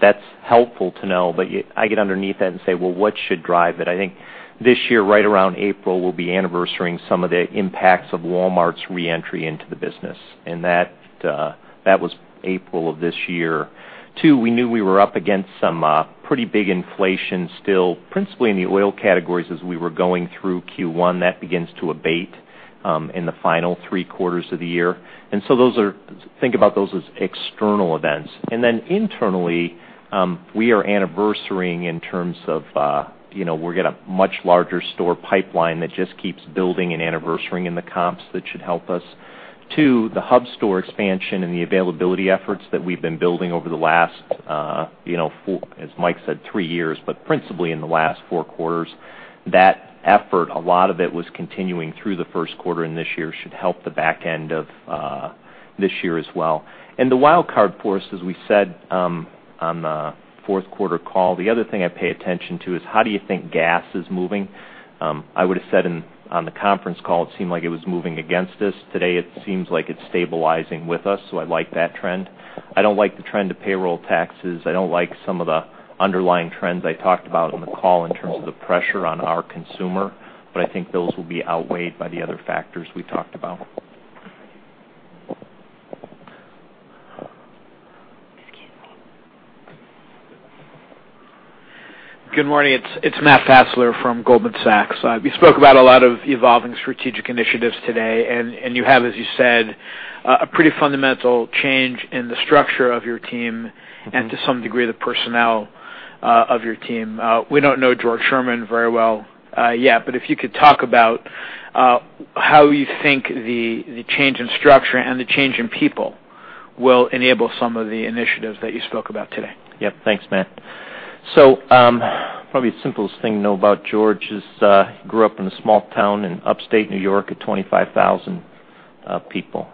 That's helpful to know, but I get underneath that and say, "What should drive it?" I think this year, right around April, we'll be anniversarying some of the impacts of Walmart's re-entry into the business. That was April of this year. Two, we knew we were up against some pretty big inflation still, principally in the oil categories as we were going through Q1. That begins to abate in the final three quarters of the year. Think about those as external events. Internally, we are anniversarying in terms of we've got a much larger store pipeline that just keeps building and anniversarying in the comps that should help us. Two, the hub store expansion and the availability efforts that we've been building over the last, as Mike said, three years, but principally in the last four quarters. That effort, a lot of it was continuing through the first quarter, and this year should help the back end of this year as well. The wildcard for us, as we said on the fourth quarter call, the other thing I pay attention to is how do you think gas is moving? I would've said on the conference call, it seemed like it was moving against us. Today, it seems like it's stabilizing with us, so I like that trend. I don't like the trend of payroll taxes. I don't like some of the underlying trends I talked about on the call in terms of the pressure on our consumer, but I think those will be outweighed by the other factors we talked about. Excuse me. Good morning. It's Matt Fassler from Goldman Sachs. You spoke about a lot of evolving strategic initiatives today, and you have, as you said, a pretty fundamental change in the structure of your team and to some degree, the personnel of your team. We don't know George Sherman very well yet, but if you could talk about how you think the change in structure and the change in people Will enable some of the initiatives that you spoke about today. Yeah. Thanks, Matt. Probably the simplest thing to know about George is he grew up in a small town in Upstate New York of 25,000 people.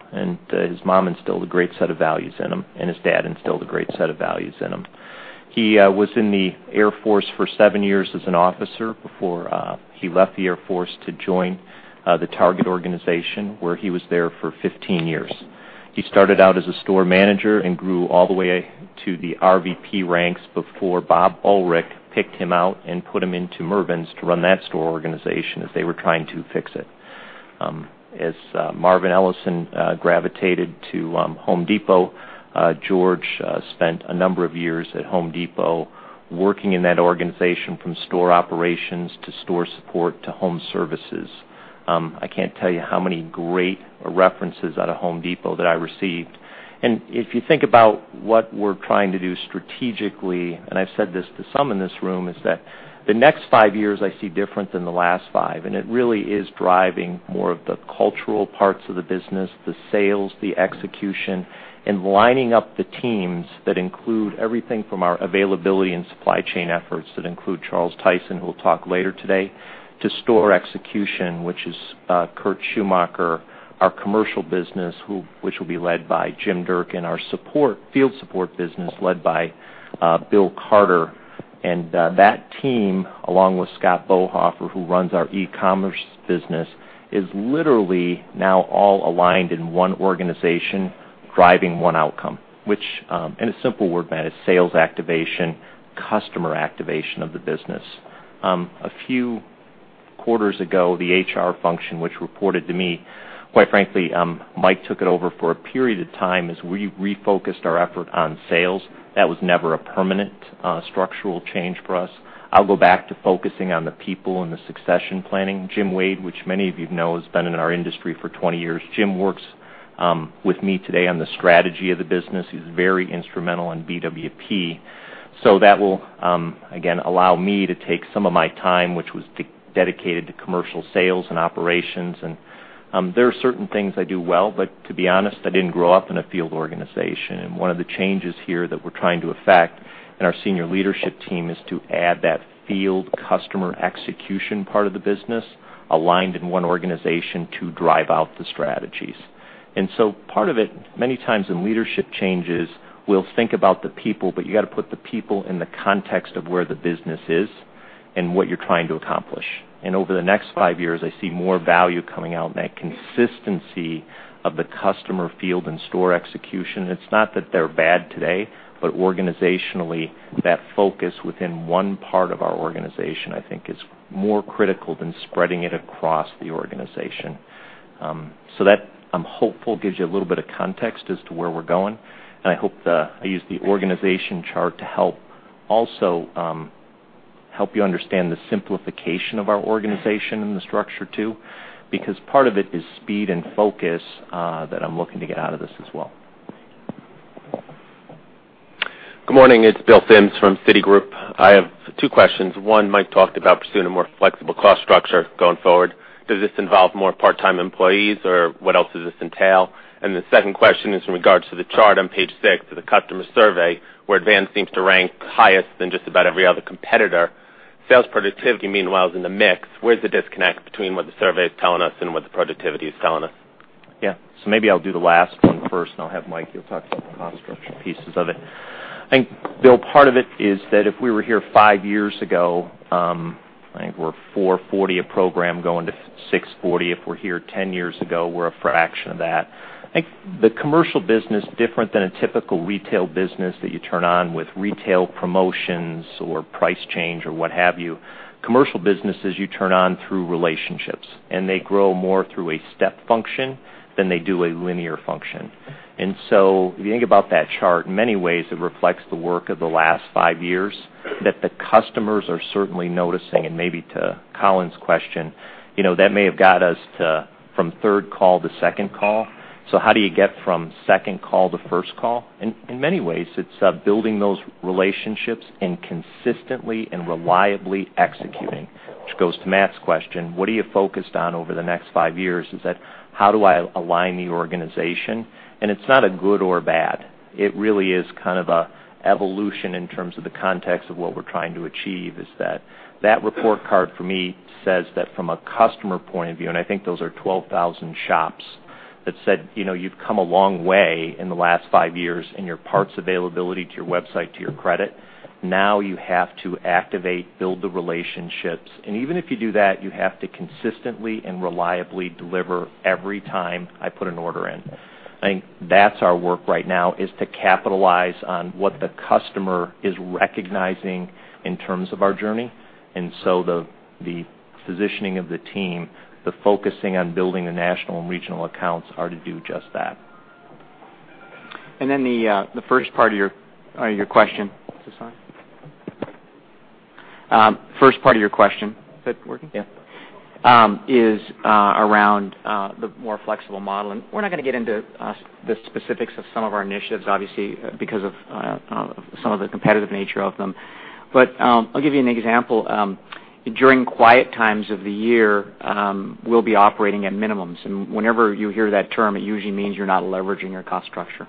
His mom instilled a great set of values in him, and his dad instilled a great set of values in him. He was in the Air Force for seven years as an officer before he left the Air Force to join the Target organization, where he was there for 15 years. He started out as a store manager and grew all the way to the RVP ranks before Bob Ulrich picked him out and put him into Mervyn's to run that store organization as they were trying to fix it. As Marvin Ellison gravitated to Home Depot, George spent a number of years at Home Depot working in that organization from store operations to store support to home services. I can't tell you how many great references out of The Home Depot that I received. If you think about what we're trying to do strategically, and I've said this to some in this room, is that the next 5 years I see different than the last 5. It really is driving more of the cultural parts of the business, the sales, the execution, and lining up the teams that include everything from our availability and supply chain efforts that include Charles Tyson, who will talk later today, to store execution, which is Kurt Schumacher, our commercial business, which will be led by Jim Durkin, and our field support business, led by Bill Carter. That team, along with Scott Bauhofer, who runs our e-commerce business, is literally now all aligned in one organization, driving one outcome, which, in a simple word, Matt, is sales activation, customer activation of the business. A few quarters ago, the HR function, which reported to me, quite frankly Mike took it over for a period of time as we refocused our effort on sales. That was never a permanent structural change for us. I'll go back to focusing on the people and the succession planning. Jim Wade, which many of you know, has been in our industry for 20 years. Jim works with me today on the strategy of the business. He's very instrumental in BWP. That will, again, allow me to take some of my time, which was dedicated to commercial sales and operations. There are certain things I do well, but to be honest, I didn't grow up in a field organization. One of the changes here that we're trying to effect in our senior leadership team is to add that field customer execution part of the business aligned in one organization to drive out the strategies. Part of it, many times in leadership changes, we'll think about the people, but you got to put the people in the context of where the business is and what you're trying to accomplish. Over the next 5 years, I see more value coming out in that consistency of the customer field and store execution. It's not that they're bad today, but organizationally, that focus within one part of our organization, I think, is more critical than spreading it across the organization. That, I'm hopeful, gives you a little bit of context as to where we're going. I used the organization chart to help you understand the simplification of our organization and the structure, too, because part of it is speed and focus that I'm looking to get out of this as well. Good morning. It's Bill Sims from Citigroup. I have two questions. One, Mike talked about pursuing a more flexible cost structure going forward. Does this involve more part-time employees, or what else does this entail? The second question is in regards to the chart on page six of the customer survey, where Advance seems to rank highest than just about every other competitor. Sales productivity, meanwhile, is in the mix. Where's the disconnect between what the survey is telling us and what the productivity is telling us? Yeah. Maybe I'll do the last one first, I'll have Mike, he'll talk to you about the cost structure pieces of it. I think Bill, part of it is that if we were here five years ago, I think we're 440 a program going to 640. If we're here 10 years ago, we're a fraction of that. I think the commercial business, different than a typical retail business that you turn on with retail promotions or price change or what have you. Commercial businesses, you turn on through relationships, and they grow more through a step function than they do a linear function. If you think about that chart, in many ways, it reflects the work of the last five years that the customers are certainly noticing. Maybe to Colin's question, that may have got us from third call to second call. How do you get from second call to first call? In many ways, it's building those relationships and consistently and reliably executing, which goes to Matt's question, what are you focused on over the next five years? Is that how do I align the organization? It's not a good or bad. It really is kind of a evolution in terms of the context of what we're trying to achieve, is that that report card for me says that from a customer point of view, I think those are 12,000 shops that said, "You've come a long way in the last five years in your parts availability to your website, to your credit. Now you have to activate, build the relationships. Even if you do that, you have to consistently and reliably deliver every time I put an order in." I think that's our work right now, is to capitalize on what the customer is recognizing in terms of our journey. The positioning of the team, the focusing on building the national and regional accounts are to do just that. The first part of your question. Is this on? First part of your question. Is that working? Yeah. Is around the more flexible model, and we're not going to get into the specifics of some of our initiatives, obviously, because of some of the competitive nature of them. I'll give you an example. During quiet times of the year, we'll be operating at minimums. Whenever you hear that term, it usually means you're not leveraging your cost structure.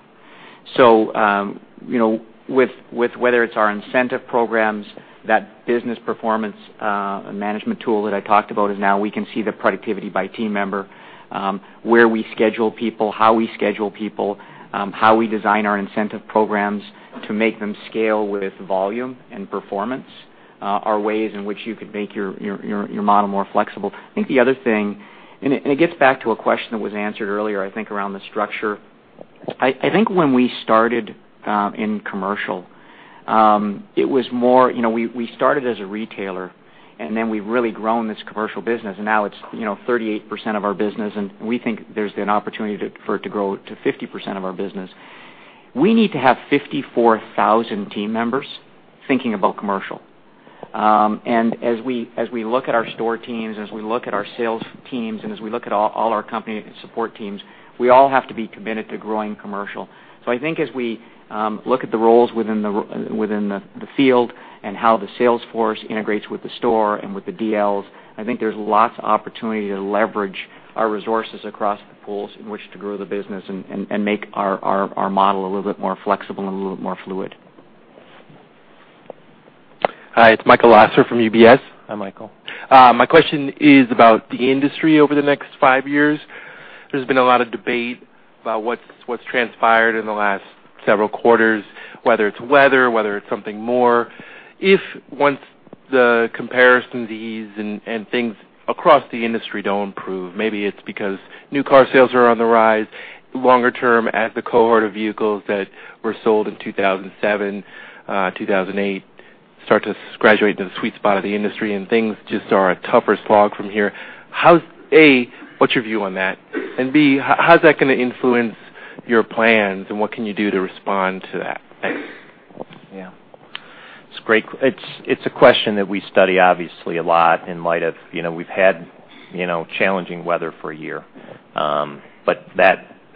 Whether it's our incentive programs, that business performance management tool that I talked about is now we can see the productivity by team member, where we schedule people, how we schedule people, how we design our incentive programs to make them scale with volume and performance are ways in which you could make your model more flexible. I think the other thing, and it gets back to a question that was answered earlier, I think, around the structure. I think when we started in commercial, we started as a retailer, and then we've really grown this commercial business, and now it's 38% of our business, and we think there's an opportunity for it to grow to 50% of our business. We need to have 54,000 team members thinking about commercial. As we look at our store teams, as we look at our sales teams, and as we look at all our company support teams, we all have to be committed to growing commercial. I think as we look at the roles within the field and how the Salesforce integrates with the store and with the DLs, I think there's lots of opportunity to leverage our resources across the pools in which to grow the business and make our model a little bit more flexible and a little more fluid. Hi, it's Michael Lasser from UBS. Hi, Michael. My question is about the industry over the next 5 years. There's been a lot of debate about what's transpired in the last several quarters, whether it's weather, whether it's something more. If once the comparison to these and things across the industry don't improve, maybe it's because new car sales are on the rise longer term as the cohort of vehicles that were sold in 2007, 2008, start to graduate to the sweet spot of the industry and things just are a tougher slog from here. A, what's your view on that? B, how's that going to influence your plans, and what can you do to respond to that? Yeah. It's a question that we study obviously a lot in light of we've had challenging weather for a year.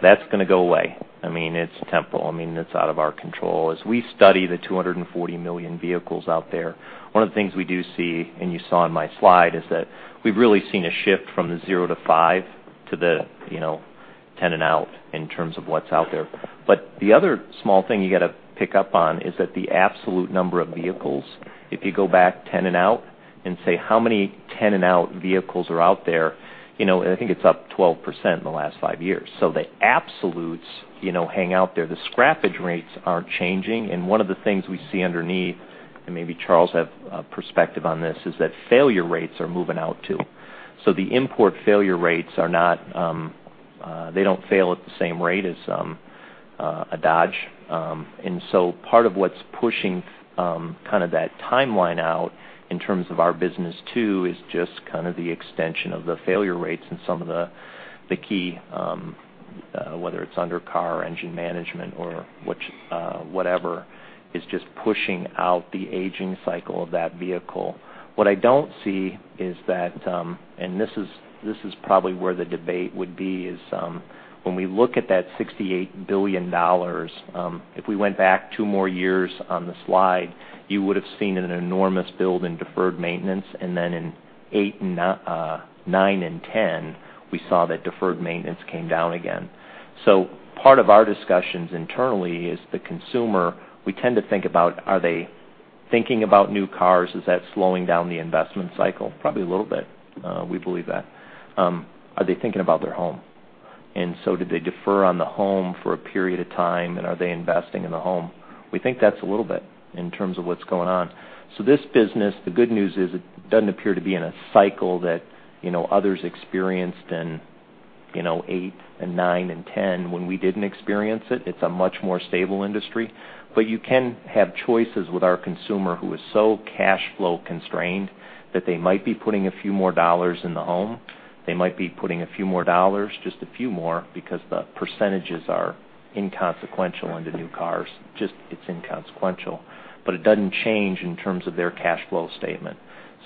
That's going to go away. It's temporal. It's out of our control. As we study the 240 million vehicles out there, one of the things we do see, and you saw in my slide, is that we've really seen a shift from the zero to five to the 10 and out in terms of what's out there. The other small thing you got to pick up on is that the absolute number of vehicles, if you go back 10 and out and say how many 10-and-out vehicles are out there, I think it's up 12% in the last five years. The absolutes hang out there. The scrappage rates are changing, one of the things we see underneath, and maybe Charles have a perspective on this, is that failure rates are moving out, too. The import failure rates, they don't fail at the same rate as a Dodge. Part of what's pushing that timeline out in terms of our business, too, is just the extension of the failure rates and some of the key, whether it's under car engine management or whatever, is just pushing out the aging cycle of that vehicle. What I don't see is that, and this is probably where the debate would be, is when we look at that $68 billion, if we went back two more years on the slide, you would've seen an enormous build in deferred maintenance, and then in eight, nine, and 10, we saw that deferred maintenance came down again. Part of our discussions internally is the consumer. We tend to think about, are they thinking about new cars? Is that slowing down the investment cycle? Probably a little bit. We believe that. Are they thinking about their home? Did they defer on the home for a period of time, and are they investing in the home? We think that's a little bit in terms of what's going on. This business, the good news is it doesn't appear to be in a cycle that others experienced in '08 and '09 and '10 when we didn't experience it. It's a much more stable industry. But you can have choices with our consumer who is so cash flow constrained that they might be putting a few more dollars in the home. They might be putting a few more dollars, just a few more, because the percentages are inconsequential into new cars. Just it's inconsequential. It doesn't change in terms of their cash flow statement.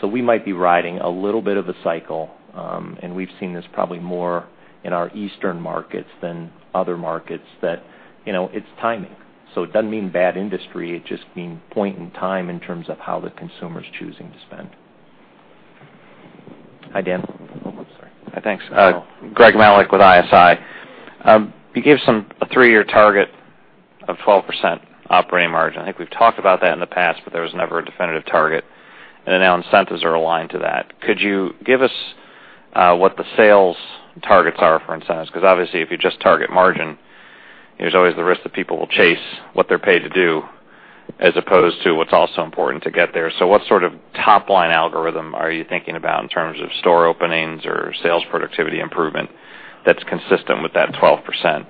We might be riding a little bit of a cycle, and we've seen this probably more in our eastern markets than other markets that it's timing. It doesn't mean bad industry. It just means point in time in terms of how the consumer's choosing to spend. Hi, Dan. Oh, I'm sorry. Thanks. Gregory Melich with ISI. You gave a 3-year target of 12% operating margin. I think we've talked about that in the past, there was never a definitive target, and now incentives are aligned to that. Could you give us what the sales targets are for incentives? Because obviously, if you just target margin, there's always the risk that people will chase what they're paid to do as opposed to what's also important to get there. What sort of top-line algorithm are you thinking about in terms of store openings or sales productivity improvement that's consistent with that 12%?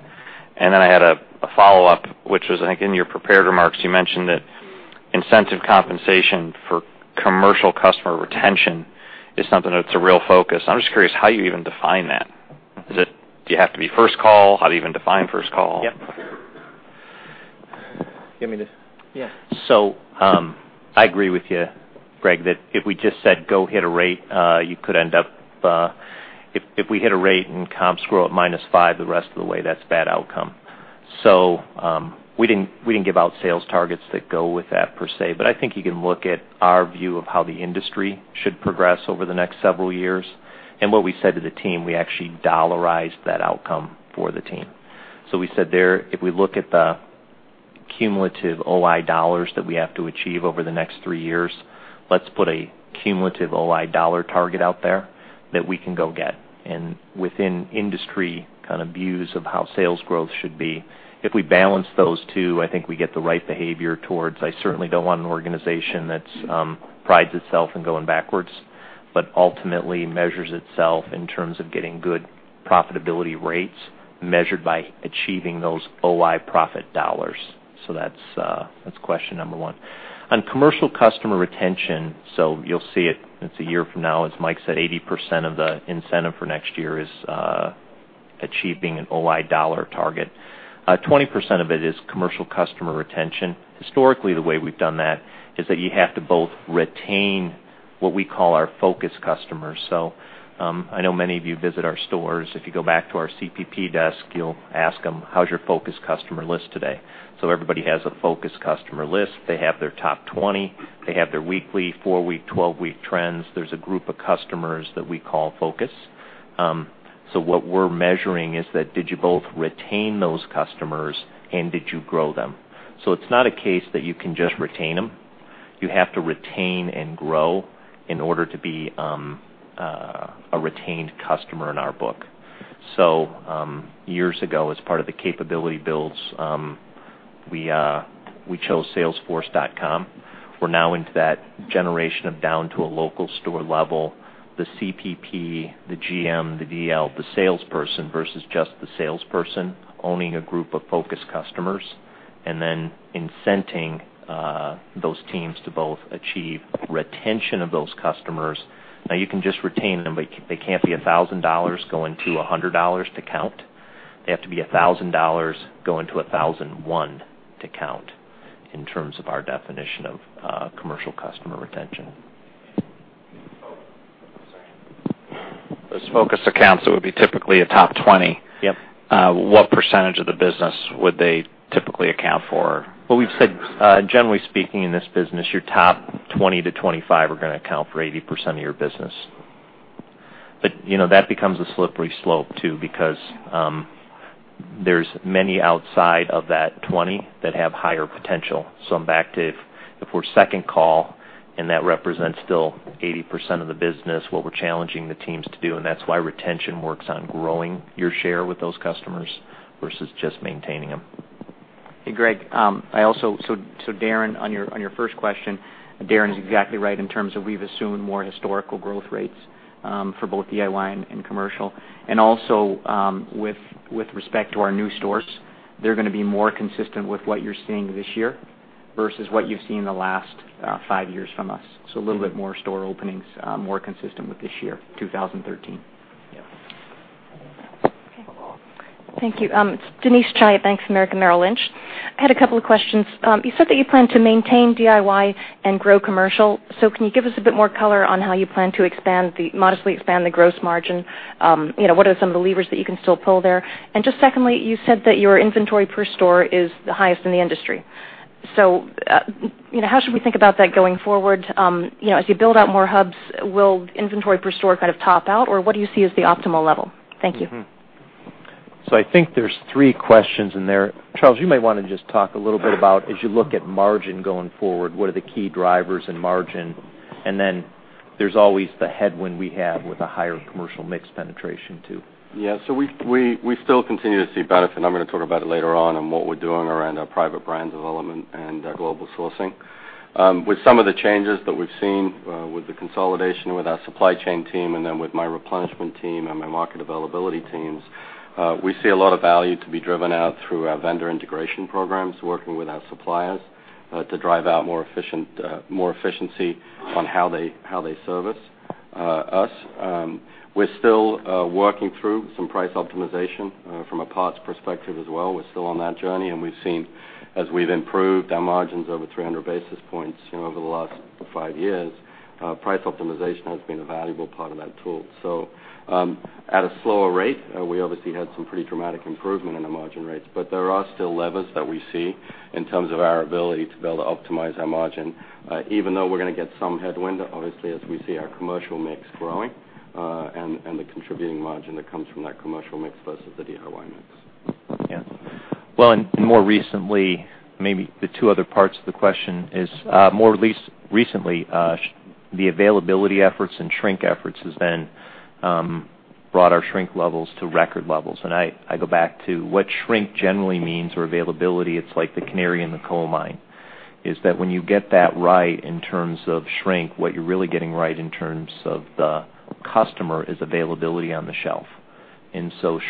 I had a follow-up, which was, I think in your prepared remarks, you mentioned that incentive compensation for commercial customer retention is something that's a real focus. I'm just curious how you even define that. Do you have to be first call? How do you even define first call? Yep. You want me to Yeah. I agree with you, Greg, that if we just said, "Go hit a rate," if we hit a rate and comps grow at minus five the rest of the way, that's bad outcome. We didn't give out sales targets that go with that per se, but I think you can look at our view of how the industry should progress over the next several years. What we said to the team, we actually dollarized that outcome for the team. We said there, if we look at the cumulative OI dollars that we have to achieve over the next three years, let's put a cumulative OI dollar target out there that we can go get. Within industry views of how sales growth should be, if we balance those two, I think we get the right behavior towards, I certainly don't want an organization that prides itself in going backwards, but ultimately measures itself in terms of getting good profitability rates measured by achieving those OI profit dollars. That's question number 1. On commercial customer retention, you'll see it's a year from now, as Mike said, 80% of the incentive for next year is achieving an OI dollar target. 20% of it is commercial customer retention. Historically, the way we've done that is that you have to both retain what we call our focus customers. I know many of you visit our stores. If you go back to our CPP desk, you'll ask them, "How's your focus customer list today?" Everybody has a focus customer list. They have their top 20. They have their weekly, four-week, 12-week trends. There's a group of customers that we call focus. What we're measuring is that did you both retain those customers and did you grow them? It's not a case that you can just retain them. You have to retain and grow in order to be a retained customer in our book. Years ago, as part of the capability builds, we chose Salesforce. We're now into that generation of down to a local store level, the CPP, the GM, the DL, the salesperson versus just the salesperson owning a group of focus customers, and then incenting those teams to both achieve retention of those customers. You can just retain them, but they can't be $1,000 going to $100 to count. They have to be $1,000 going to $1,001 to count in terms of our definition of commercial customer retention. Oh, sorry. Those focus accounts, that would be typically a top 20. Yep. What % of the business would they typically account for? Well, we've said, generally speaking, in this business, your top 20-25 are going to account for 80% of your business. That becomes a slippery slope too because there's many outside of that 20 that have higher potential. I'm back to if we're second call and that represents still 80% of the business, what we're challenging the teams to do, and that's why retention works on growing your share with those customers versus just maintaining them. Hey, Greg. Darren, on your first question, Darren's exactly right in terms of we've assumed more historical growth rates for both DIY and commercial. Also, with respect to our new stores, they're going to be more consistent with what you're seeing this year versus what you've seen in the last five years from us. A little bit more store openings, more consistent with this year, 2013. Yeah. Okay. Thank you. It's Denise Chai at Bank of America Merrill Lynch. I had a couple of questions. You said that you plan to maintain DIY and grow commercial. Can you give us a bit more color on how you plan to modestly expand the gross margin? What are some of the levers that you can still pull there? Just secondly, you said that your inventory per store is the highest in the industry. How should we think about that going forward? As you build out more hubs, will inventory per store kind of top out? Or what do you see as the optimal level? Thank you. I think there's three questions in there. Charles, you may want to just talk a little bit about, as you look at margin going forward, what are the key drivers in margin? Then there's always the headwind we have with a higher commercial mix penetration, too. Yeah. We still continue to see benefit, I'm going to talk about it later on in what we're doing around our private brand development and our global sourcing. With some of the changes that we've seen with the consolidation with our supply chain team and then with my replenishment team and my market availability teams, we see a lot of value to be driven out through our vendor integration programs, working with our suppliers, to drive out more efficiency on how they service us. We're still working through some price optimization from a parts perspective as well. We're still on that journey, we've seen as we've improved our margins over 300 basis points over the last five years, price optimization has been a valuable part of that tool. at a slower rate, we obviously had some pretty dramatic improvement in the margin rates, but there are still levers that we see in terms of our ability to be able to optimize our margin, even though we're going to get some headwind, obviously, as we see our commercial mix growing, and the contributing margin that comes from that commercial mix versus the DIY mix. Yeah. Well, more recently, maybe the two other parts of the question is, more recently, the availability efforts and shrink efforts has brought our shrink levels to record levels. I go back to what shrink generally means for availability. It's like the canary in the coal mine, is that when you get that right in terms of shrink, what you're really getting right in terms of the customer is availability on the shelf.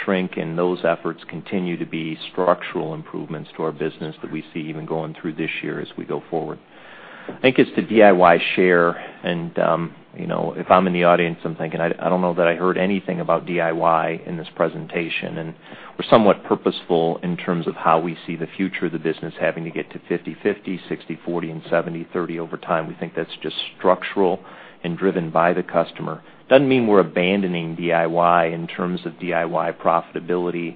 shrink and those efforts continue to be structural improvements to our business that we see even going through this year as we go forward. I think it's the DIY share if I'm in the audience, I'm thinking, I don't know that I heard anything about DIY in this presentation, we're somewhat purposeful in terms of how we see the future of the business having to get to 50/50, 60/40, and 70/30 over time. We think that's just structural and driven by the customer. Doesn't mean we're abandoning DIY in terms of DIY profitability.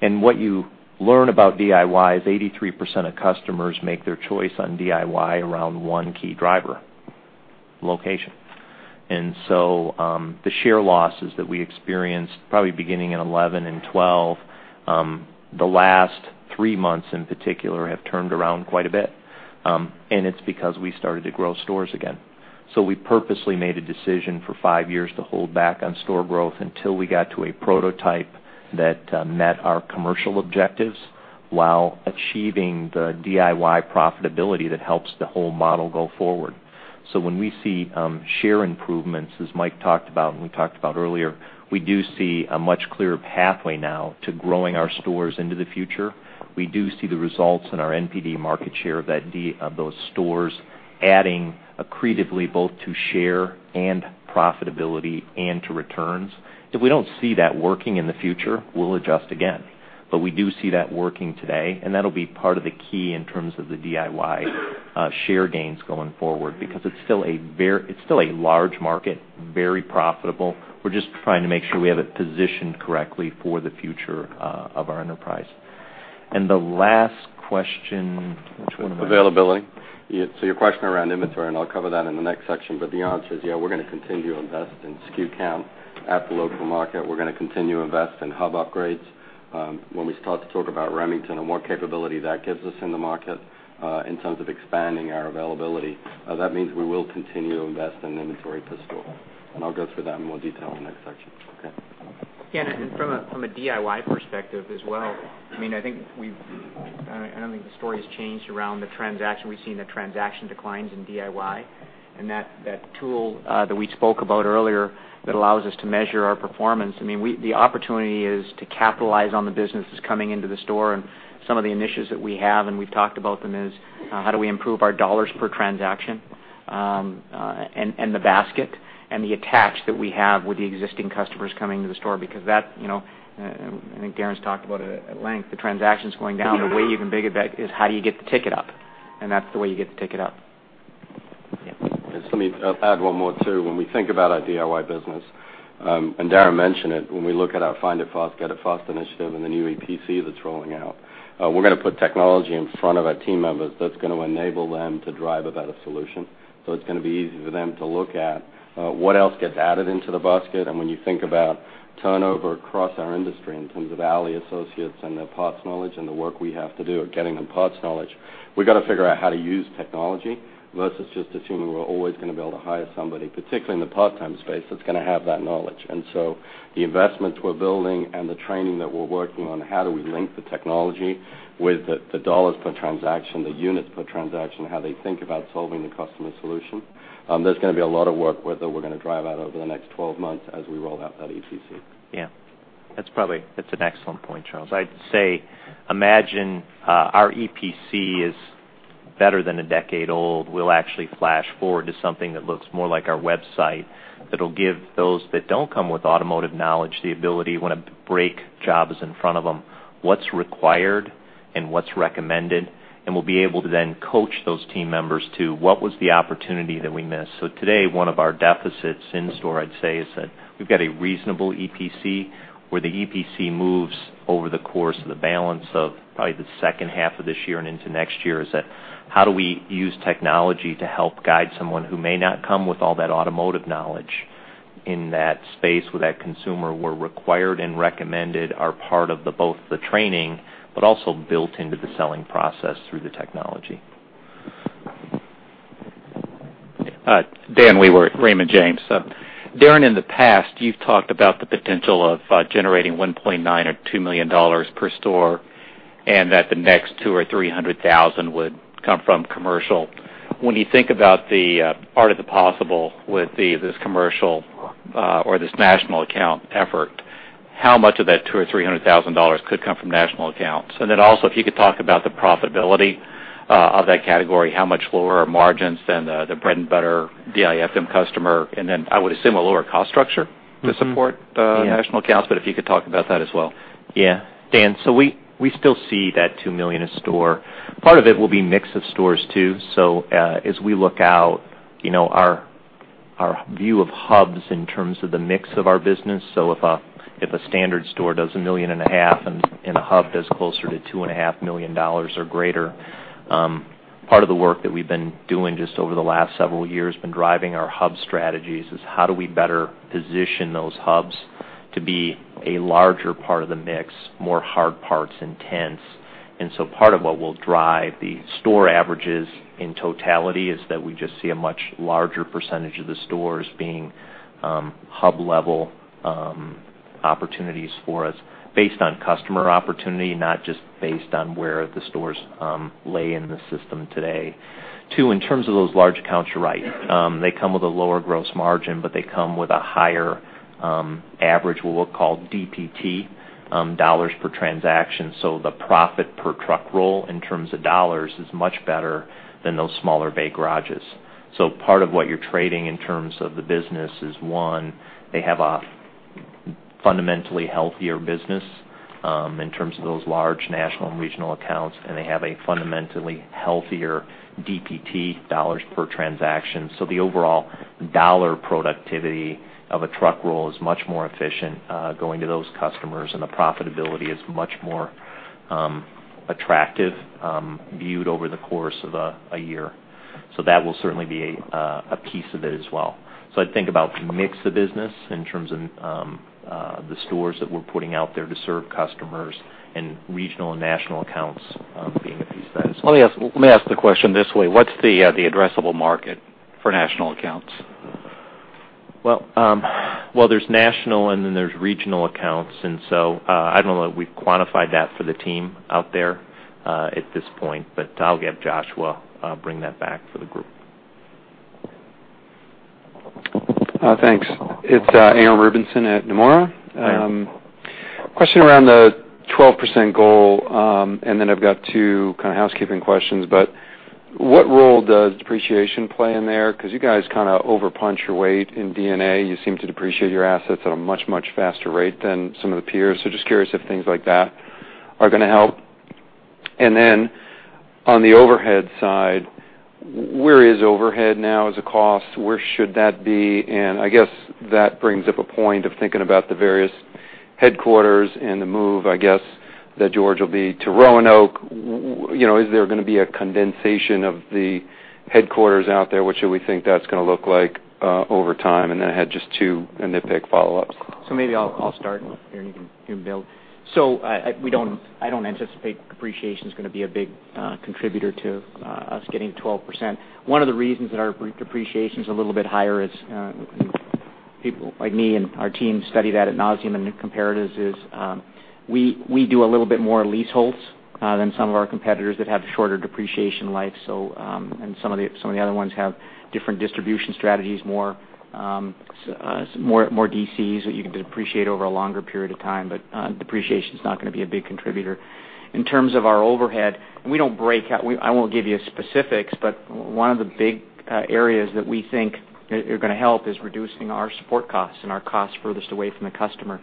what you learn about DIY is 83% of customers make their choice on DIY around one key driver, location. the share losses that we experienced, probably beginning in 2011 and 2012, the last three months in particular have turned around quite a bit. it's because we started to grow stores again. we purposely made a decision for five years to hold back on store growth until we got to a prototype that met our commercial objectives while achieving the DIY profitability that helps the whole model go forward. when we see share improvements, as Mike talked about and we talked about earlier, we do see a much clearer pathway now to growing our stores into the future. We do see the results in our NPD market share of those stores adding accretively both to share and profitability and to returns. If we don't see that working in the future, we'll adjust again. we do see that working today, and that'll be part of the key in terms of the DIY share gains going forward, because it's still a large market, very profitable. We're just trying to make sure we have it positioned correctly for the future of our enterprise. The last question, which one. Availability. Your question around inventory, and I'll cover that in the next section, but the answer is, yeah, we're going to continue to invest in SKU count at the local market. We're going to continue to invest in hub upgrades. When we start to talk about Remington and what capability that gives us in the market in terms of expanding our availability, that means we will continue to invest in inventory per store. I'll go through that in more detail in the next section. Okay. Yeah. From a DIY perspective as well, I don't think the story has changed around the transaction. We've seen the transaction declines in DIY, and that tool that we spoke about earlier that allows us to measure our performance. The opportunity is to capitalize on the businesses coming into the store and some of the initiatives that we have, and we've talked about them, is how do we improve our dollars per transaction and the basket and the attach that we have with the existing customers coming to the store because that, I think Darren's talked about it at length, the transaction's going down, but way you can bake at that is how do you get the ticket up? That's the way you get the ticket up. Yeah. Just let me add one more, too. When we think about our DIY business, and Darren mentioned it, when we look at our Find It Fast, Get It Fast initiative and the new EPC that's rolling out, we're going to put technology in front of our team members that's going to enable them to drive a better solution. It's going to be easy for them to look at what else gets added into the basket. When you think about turnover across our industry in terms of alley associates and their parts knowledge and the work we have to do at getting them parts knowledge, we've got to figure out how to use technology versus just assuming we're always going to be able to hire somebody, particularly in the part-time space, that's going to have that knowledge. The investments we're building and the training that we're working on, how do we link the technology with the dollars per transaction, the units per transaction, how they think about solving the customer solution. There's going to be a lot of work that we're going to drive out over the next 12 months as we roll out that EPC. That's an excellent point, Charles. I'd say, imagine our EPC is better than a decade old. We'll actually flash forward to something that looks more like our website that'll give those that don't come with automotive knowledge the ability, when a brake job is in front of them, what's required and what's recommended, and we'll be able to then coach those team members to what was the opportunity that we missed. Today, one of our deficits in store, I'd say, is that we've got a reasonable EPC where the EPC moves over the course of the balance of probably the second half of this year and into next year, is that how do we use technology to help guide someone who may not come with all that automotive knowledge in that space where that consumer where required and recommended are part of both the training, but also built into the selling process through the technology. Dan Wewer at Raymond James. Darren, in the past, you've talked about the potential of generating $1.9 million or $2 million per store and that the next $200,000 or $300,000 would come from commercial. When you think about the art of the possible with this commercial or this national account effort, how much of that $200,000 or $300,000 could come from national accounts? Then also, if you could talk about the profitability of that category, how much lower are margins than the bread-and-butter DIFM customer, and then I would assume a lower cost structure to support national accounts, but if you could talk about that as well. Dan, we still see that $2 million a store. Part of it will be mix of stores, too. As we look out, our view of hubs in terms of the mix of our business, if a standard store does a million and a half and a hub does closer to $2.5 million or greater, part of the work that we've been doing just over the last several years, been driving our hub strategies, is how do we better position those hubs to be a larger part of the mix, more hard parts intense. Part of what will drive the store averages in totality is that we just see a much larger percentage of the stores being hub-level opportunities for us based on customer opportunity, not just based on where the stores lay in the system today. Two, in terms of those large accounts, you're right. They come with a lower gross margin, they come with a higher average, what we'll call DPT, dollars per transaction. The profit per truck roll in terms of dollars is much better than those smaller bay garages. Part of what you're trading in terms of the business is, one, they have a fundamentally healthier business in terms of those large national and regional accounts, and they have a fundamentally healthier DPT, dollars per transaction. The overall dollar productivity of a truck roll is much more efficient going to those customers, and the profitability is much more attractive, viewed over the course of a year. That will certainly be a piece of it as well. I'd think about the mix of business in terms of the stores that we're putting out there to serve customers, and regional and national accounts being a piece of that as well. Let me ask the question this way. What's the addressable market for national accounts? There's national and then there's regional accounts. I don't know that we've quantified that for the team out there at this point, but I'll have Joshua bring that back for the group. Thanks. It's Aram Rubinson at Nomura. Aram. Question around the 12% goal, then I've got two kind of housekeeping questions. What role does depreciation play in there? Because you guys kind of over-punch your weight in DIY. You seem to depreciate your assets at a much, much faster rate than some of the peers. Just curious if things like that are going to help. On the overhead side, where is overhead now as a cost? Where should that be? I guess that brings up a point of thinking about the various headquarters and the move, I guess, that George will be to Roanoke. Is there going to be a condensation of the headquarters out there? What should we think that's going to look like over time? Then I had just two nitpick follow-ups. Maybe I'll start, Aram, you can build. I don't anticipate depreciation's going to be a big contributor to us getting 12%. One of the reasons that our brief depreciation's a little bit higher is, people like me and our team study that ad nauseam and the comparatives is, we do a little bit more leaseholds than some of our competitors that have shorter depreciation life. Some of the other ones have different distribution strategies, more DCs that you can depreciate over a longer period of time. Depreciation's not going to be a big contributor. In terms of our overhead, we don't break out. I won't give you specifics, but one of the big areas that we think are going to help is reducing our support costs and our costs furthest away from the customer.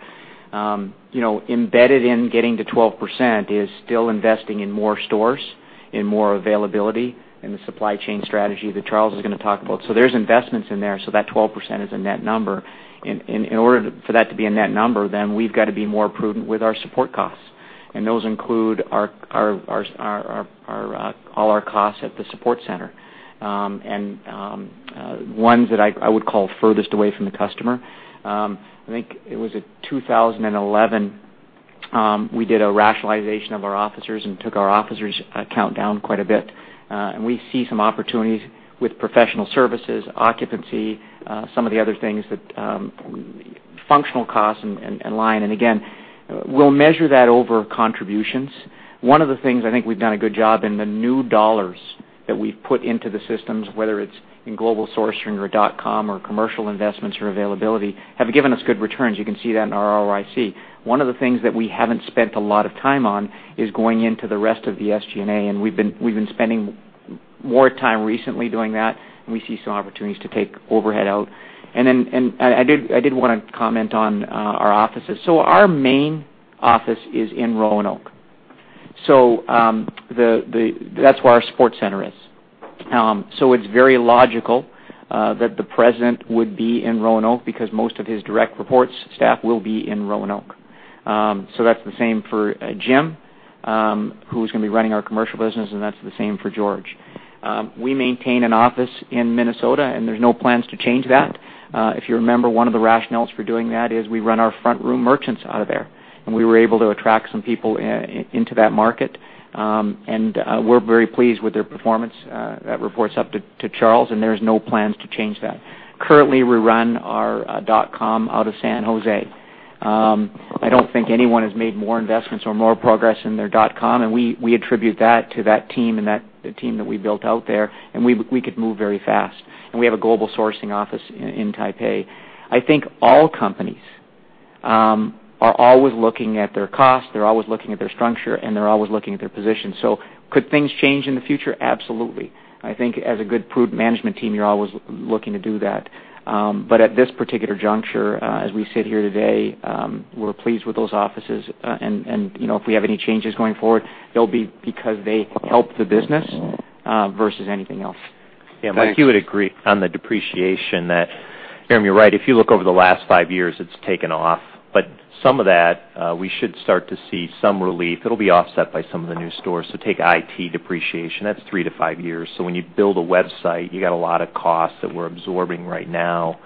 Embedded in getting to 12% is still investing in more stores and more availability in the supply chain strategy that Charles is going to talk about. There's investments in there, so that 12% is a net number. In order for that to be a net number, we've got to be more prudent with our support costs. Those include all our costs at the support center. Ones that I would call furthest away from the customer. I think it was at 2011, we did a rationalization of our officers and took our officers' count down quite a bit. We see some opportunities with professional services, occupancy, some of the other things that, functional costs and line. Again, we'll measure that over contributions. One of the things I think we've done a good job in the new dollars that we've put into the systems, whether it's in global sourcing or dot-com or commercial investments or availability, have given us good returns. You can see that in our ROIC. One of the things that we haven't spent a lot of time on is going into the rest of the SG&A, we've been spending more time recently doing that, we see some opportunities to take overhead out. I did want to comment on our offices. Our main office is in Roanoke. That's where our support center is. It's very logical that the president would be in Roanoke because most of his direct reports staff will be in Roanoke. That's the same for Jim, who's going to be running our commercial business, and that's the same for George. We maintain an office in Minnesota, there's no plans to change that. If you remember, one of the rationales for doing that is we run our front room merchants out of there, we were able to attract some people into that market. We're very pleased with their performance. That reports up to Charles, there's no plans to change that. Currently, we run our dot-com out of San Jose. I don't think anyone has made more investments or more progress in their dot-com, we attribute that to that team and the team that we built out there, we could move very fast. We have a global sourcing office in Taipei. I think all companies are always looking at their cost, they're always looking at their structure, and they're always looking at their position. Could things change in the future? Absolutely. I think as a good, prudent management team, you're always looking to do that. At this particular juncture, as we sit here today, we're pleased with those offices. If we have any changes going forward, they'll be because they help the business versus anything else. Thanks. Mike, you're right. If you look over the last five years, it's taken off. Some of that, we should start to see some relief. It'll be offset by some of the new stores. Take IT depreciation, that's three to five years. When you build a website, you got a lot of costs that we're absorbing right now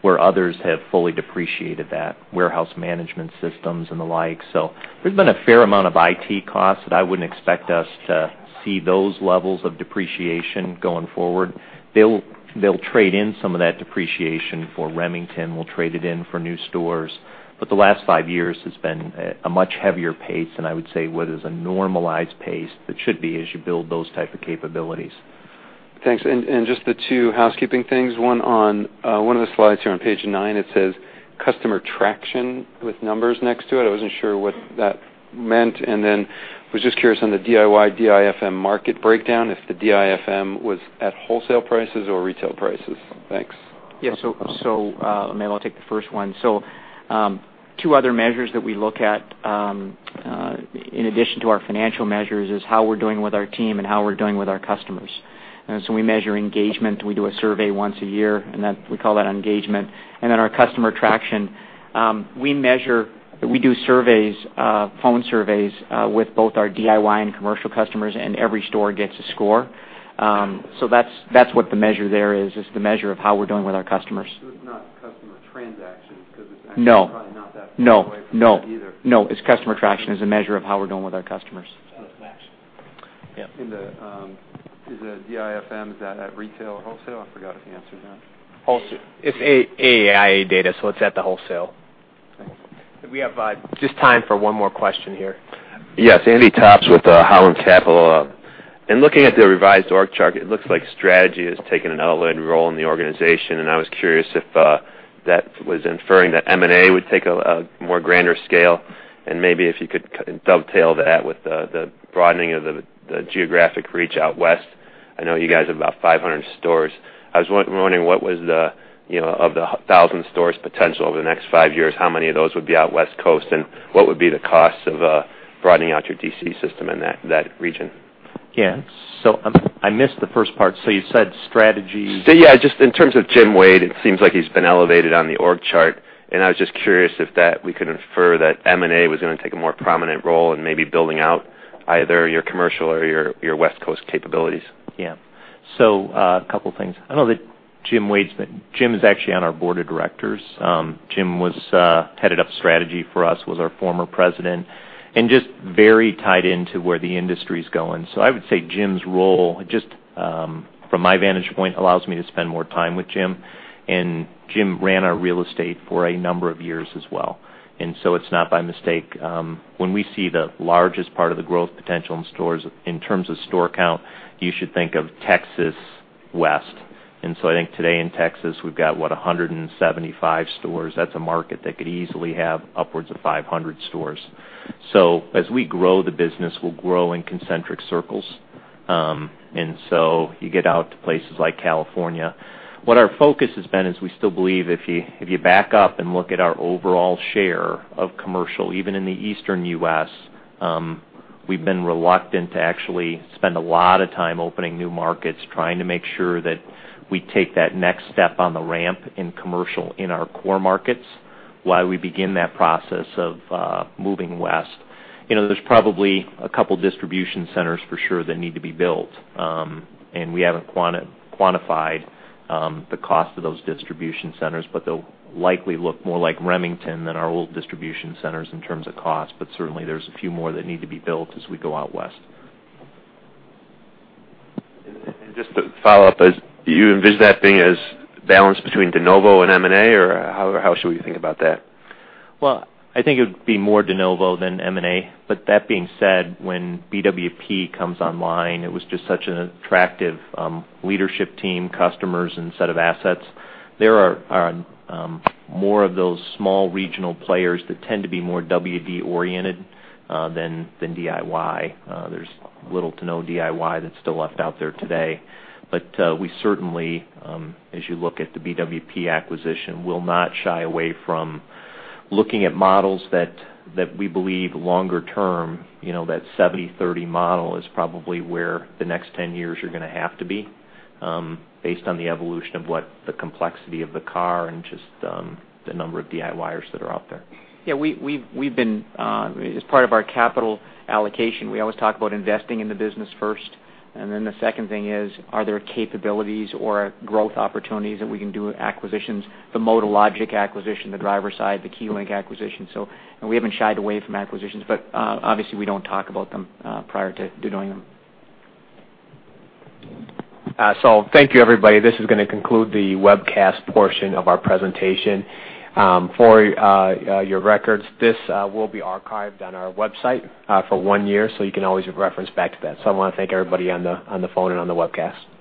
where others have fully depreciated that, warehouse management systems and the like. There's been a fair amount of IT costs that I wouldn't expect us to see those levels of depreciation going forward. They'll trade in some of that depreciation for Remington. We'll trade it in for new stores. The last five years has been a much heavier pace than I would say what is a normalized pace that should be as you build those type of capabilities. Thanks. Just the two housekeeping things. One on the slides here on page nine, it says, "Customer traction" with numbers next to it. I wasn't sure what that meant. I was just curious on the DIY/DIFM market breakdown, if the DIFM was at wholesale prices or retail prices. Thanks. Maybe I'll take the first one. Two other measures that we look at in addition to our financial measures is how we're doing with our team and how we're doing with our customers. We measure engagement. We do a survey once a year, and we call that engagement. Our customer traction. We do surveys, phone surveys, with both our DIY and commercial customers, and every store gets a score. That's what the measure there is the measure of how we're doing with our customers. It's not customer transactions, because it's. No actually probably not that far away from that either. No. It's customer traction. It's a measure of how we're doing with our customers. Got it. Thanks. Yeah. Is the DIFM, is that at retail or wholesale? I forgot if you answered that. It's AIA data, it's at the wholesale. Thanks. We have just time for one more question here. Yes. Andy Topps with Holland Capital. In looking at the revised org chart, it looks like strategy has taken an elevated role in the organization. I was curious if that was inferring that M&A would take a more grander scale. Maybe if you could dovetail that with the broadening of the geographic reach out West. I know you guys have about 500 stores. I was wondering, of the 1,000 stores potential over the next five years, how many of those would be out West Coast, what would be the cost of broadening out your DC system in that region? Yeah. I missed the first part. You said strategy- Yeah, just in terms of Jim Wade, it seems like he's been elevated on the org chart, and I was just curious if we could infer that M&A was going to take a more prominent role in maybe building out either your commercial or your West Coast capabilities. Yeah. A couple of things. I don't know that Jim is actually on our board of directors. Jim headed up strategy for us, was our former president, and just very tied into where the industry's going. I would say Jim's role, just from my vantage point, allows me to spend more time with Jim. Jim ran our real estate for a number of years as well, and it's not by mistake. When we see the largest part of the growth potential in stores in terms of store count, you should think of Texas West. I think today in Texas, we've got, what, 175 stores. That's a market that could easily have upwards of 500 stores. As we grow, the business will grow in concentric circles. You get out to places like California. What our focus has been is we still believe if you back up and look at our overall share of commercial, even in the Eastern U.S., we've been reluctant to actually spend a lot of time opening new markets, trying to make sure that we take that next step on the ramp in commercial in our core markets while we begin that process of moving West. There's probably a couple of distribution centers for sure that need to be built. We haven't quantified the cost of those distribution centers, but they'll likely look more like Remington than our old distribution centers in terms of cost. Certainly, there's a few more that need to be built as we go out West. Just to follow up, do you envision that being as balanced between de novo and M&A, or how should we think about that? Well, I think it would be more de novo than M&A. That being said, when BWP comes online, it was just such an attractive leadership team, customers, and set of assets. There are more of those small regional players that tend to be more WD-oriented than DIY. There's little to no DIY that's still left out there today. We certainly, as you look at the BWP acquisition, will not shy away from looking at models that we believe longer term, that 70/30 model is probably where the next 10 years you're going to have to be, based on the evolution of what the complexity of the car and just the number of DIYers that are out there. Yeah. As part of our capital allocation, we always talk about investing in the business first, and then the second thing is, are there capabilities or growth opportunities that we can do with acquisitions, the MotoLogic acquisition, the Driveside, the KeyLink acquisition. We haven't shied away from acquisitions, but obviously, we don't talk about them prior to doing them. Thank you, everybody. This is going to conclude the webcast portion of our presentation. For your records, this will be archived on our website for one year, so you can always reference back to that. I want to thank everybody on the phone and on the webcast.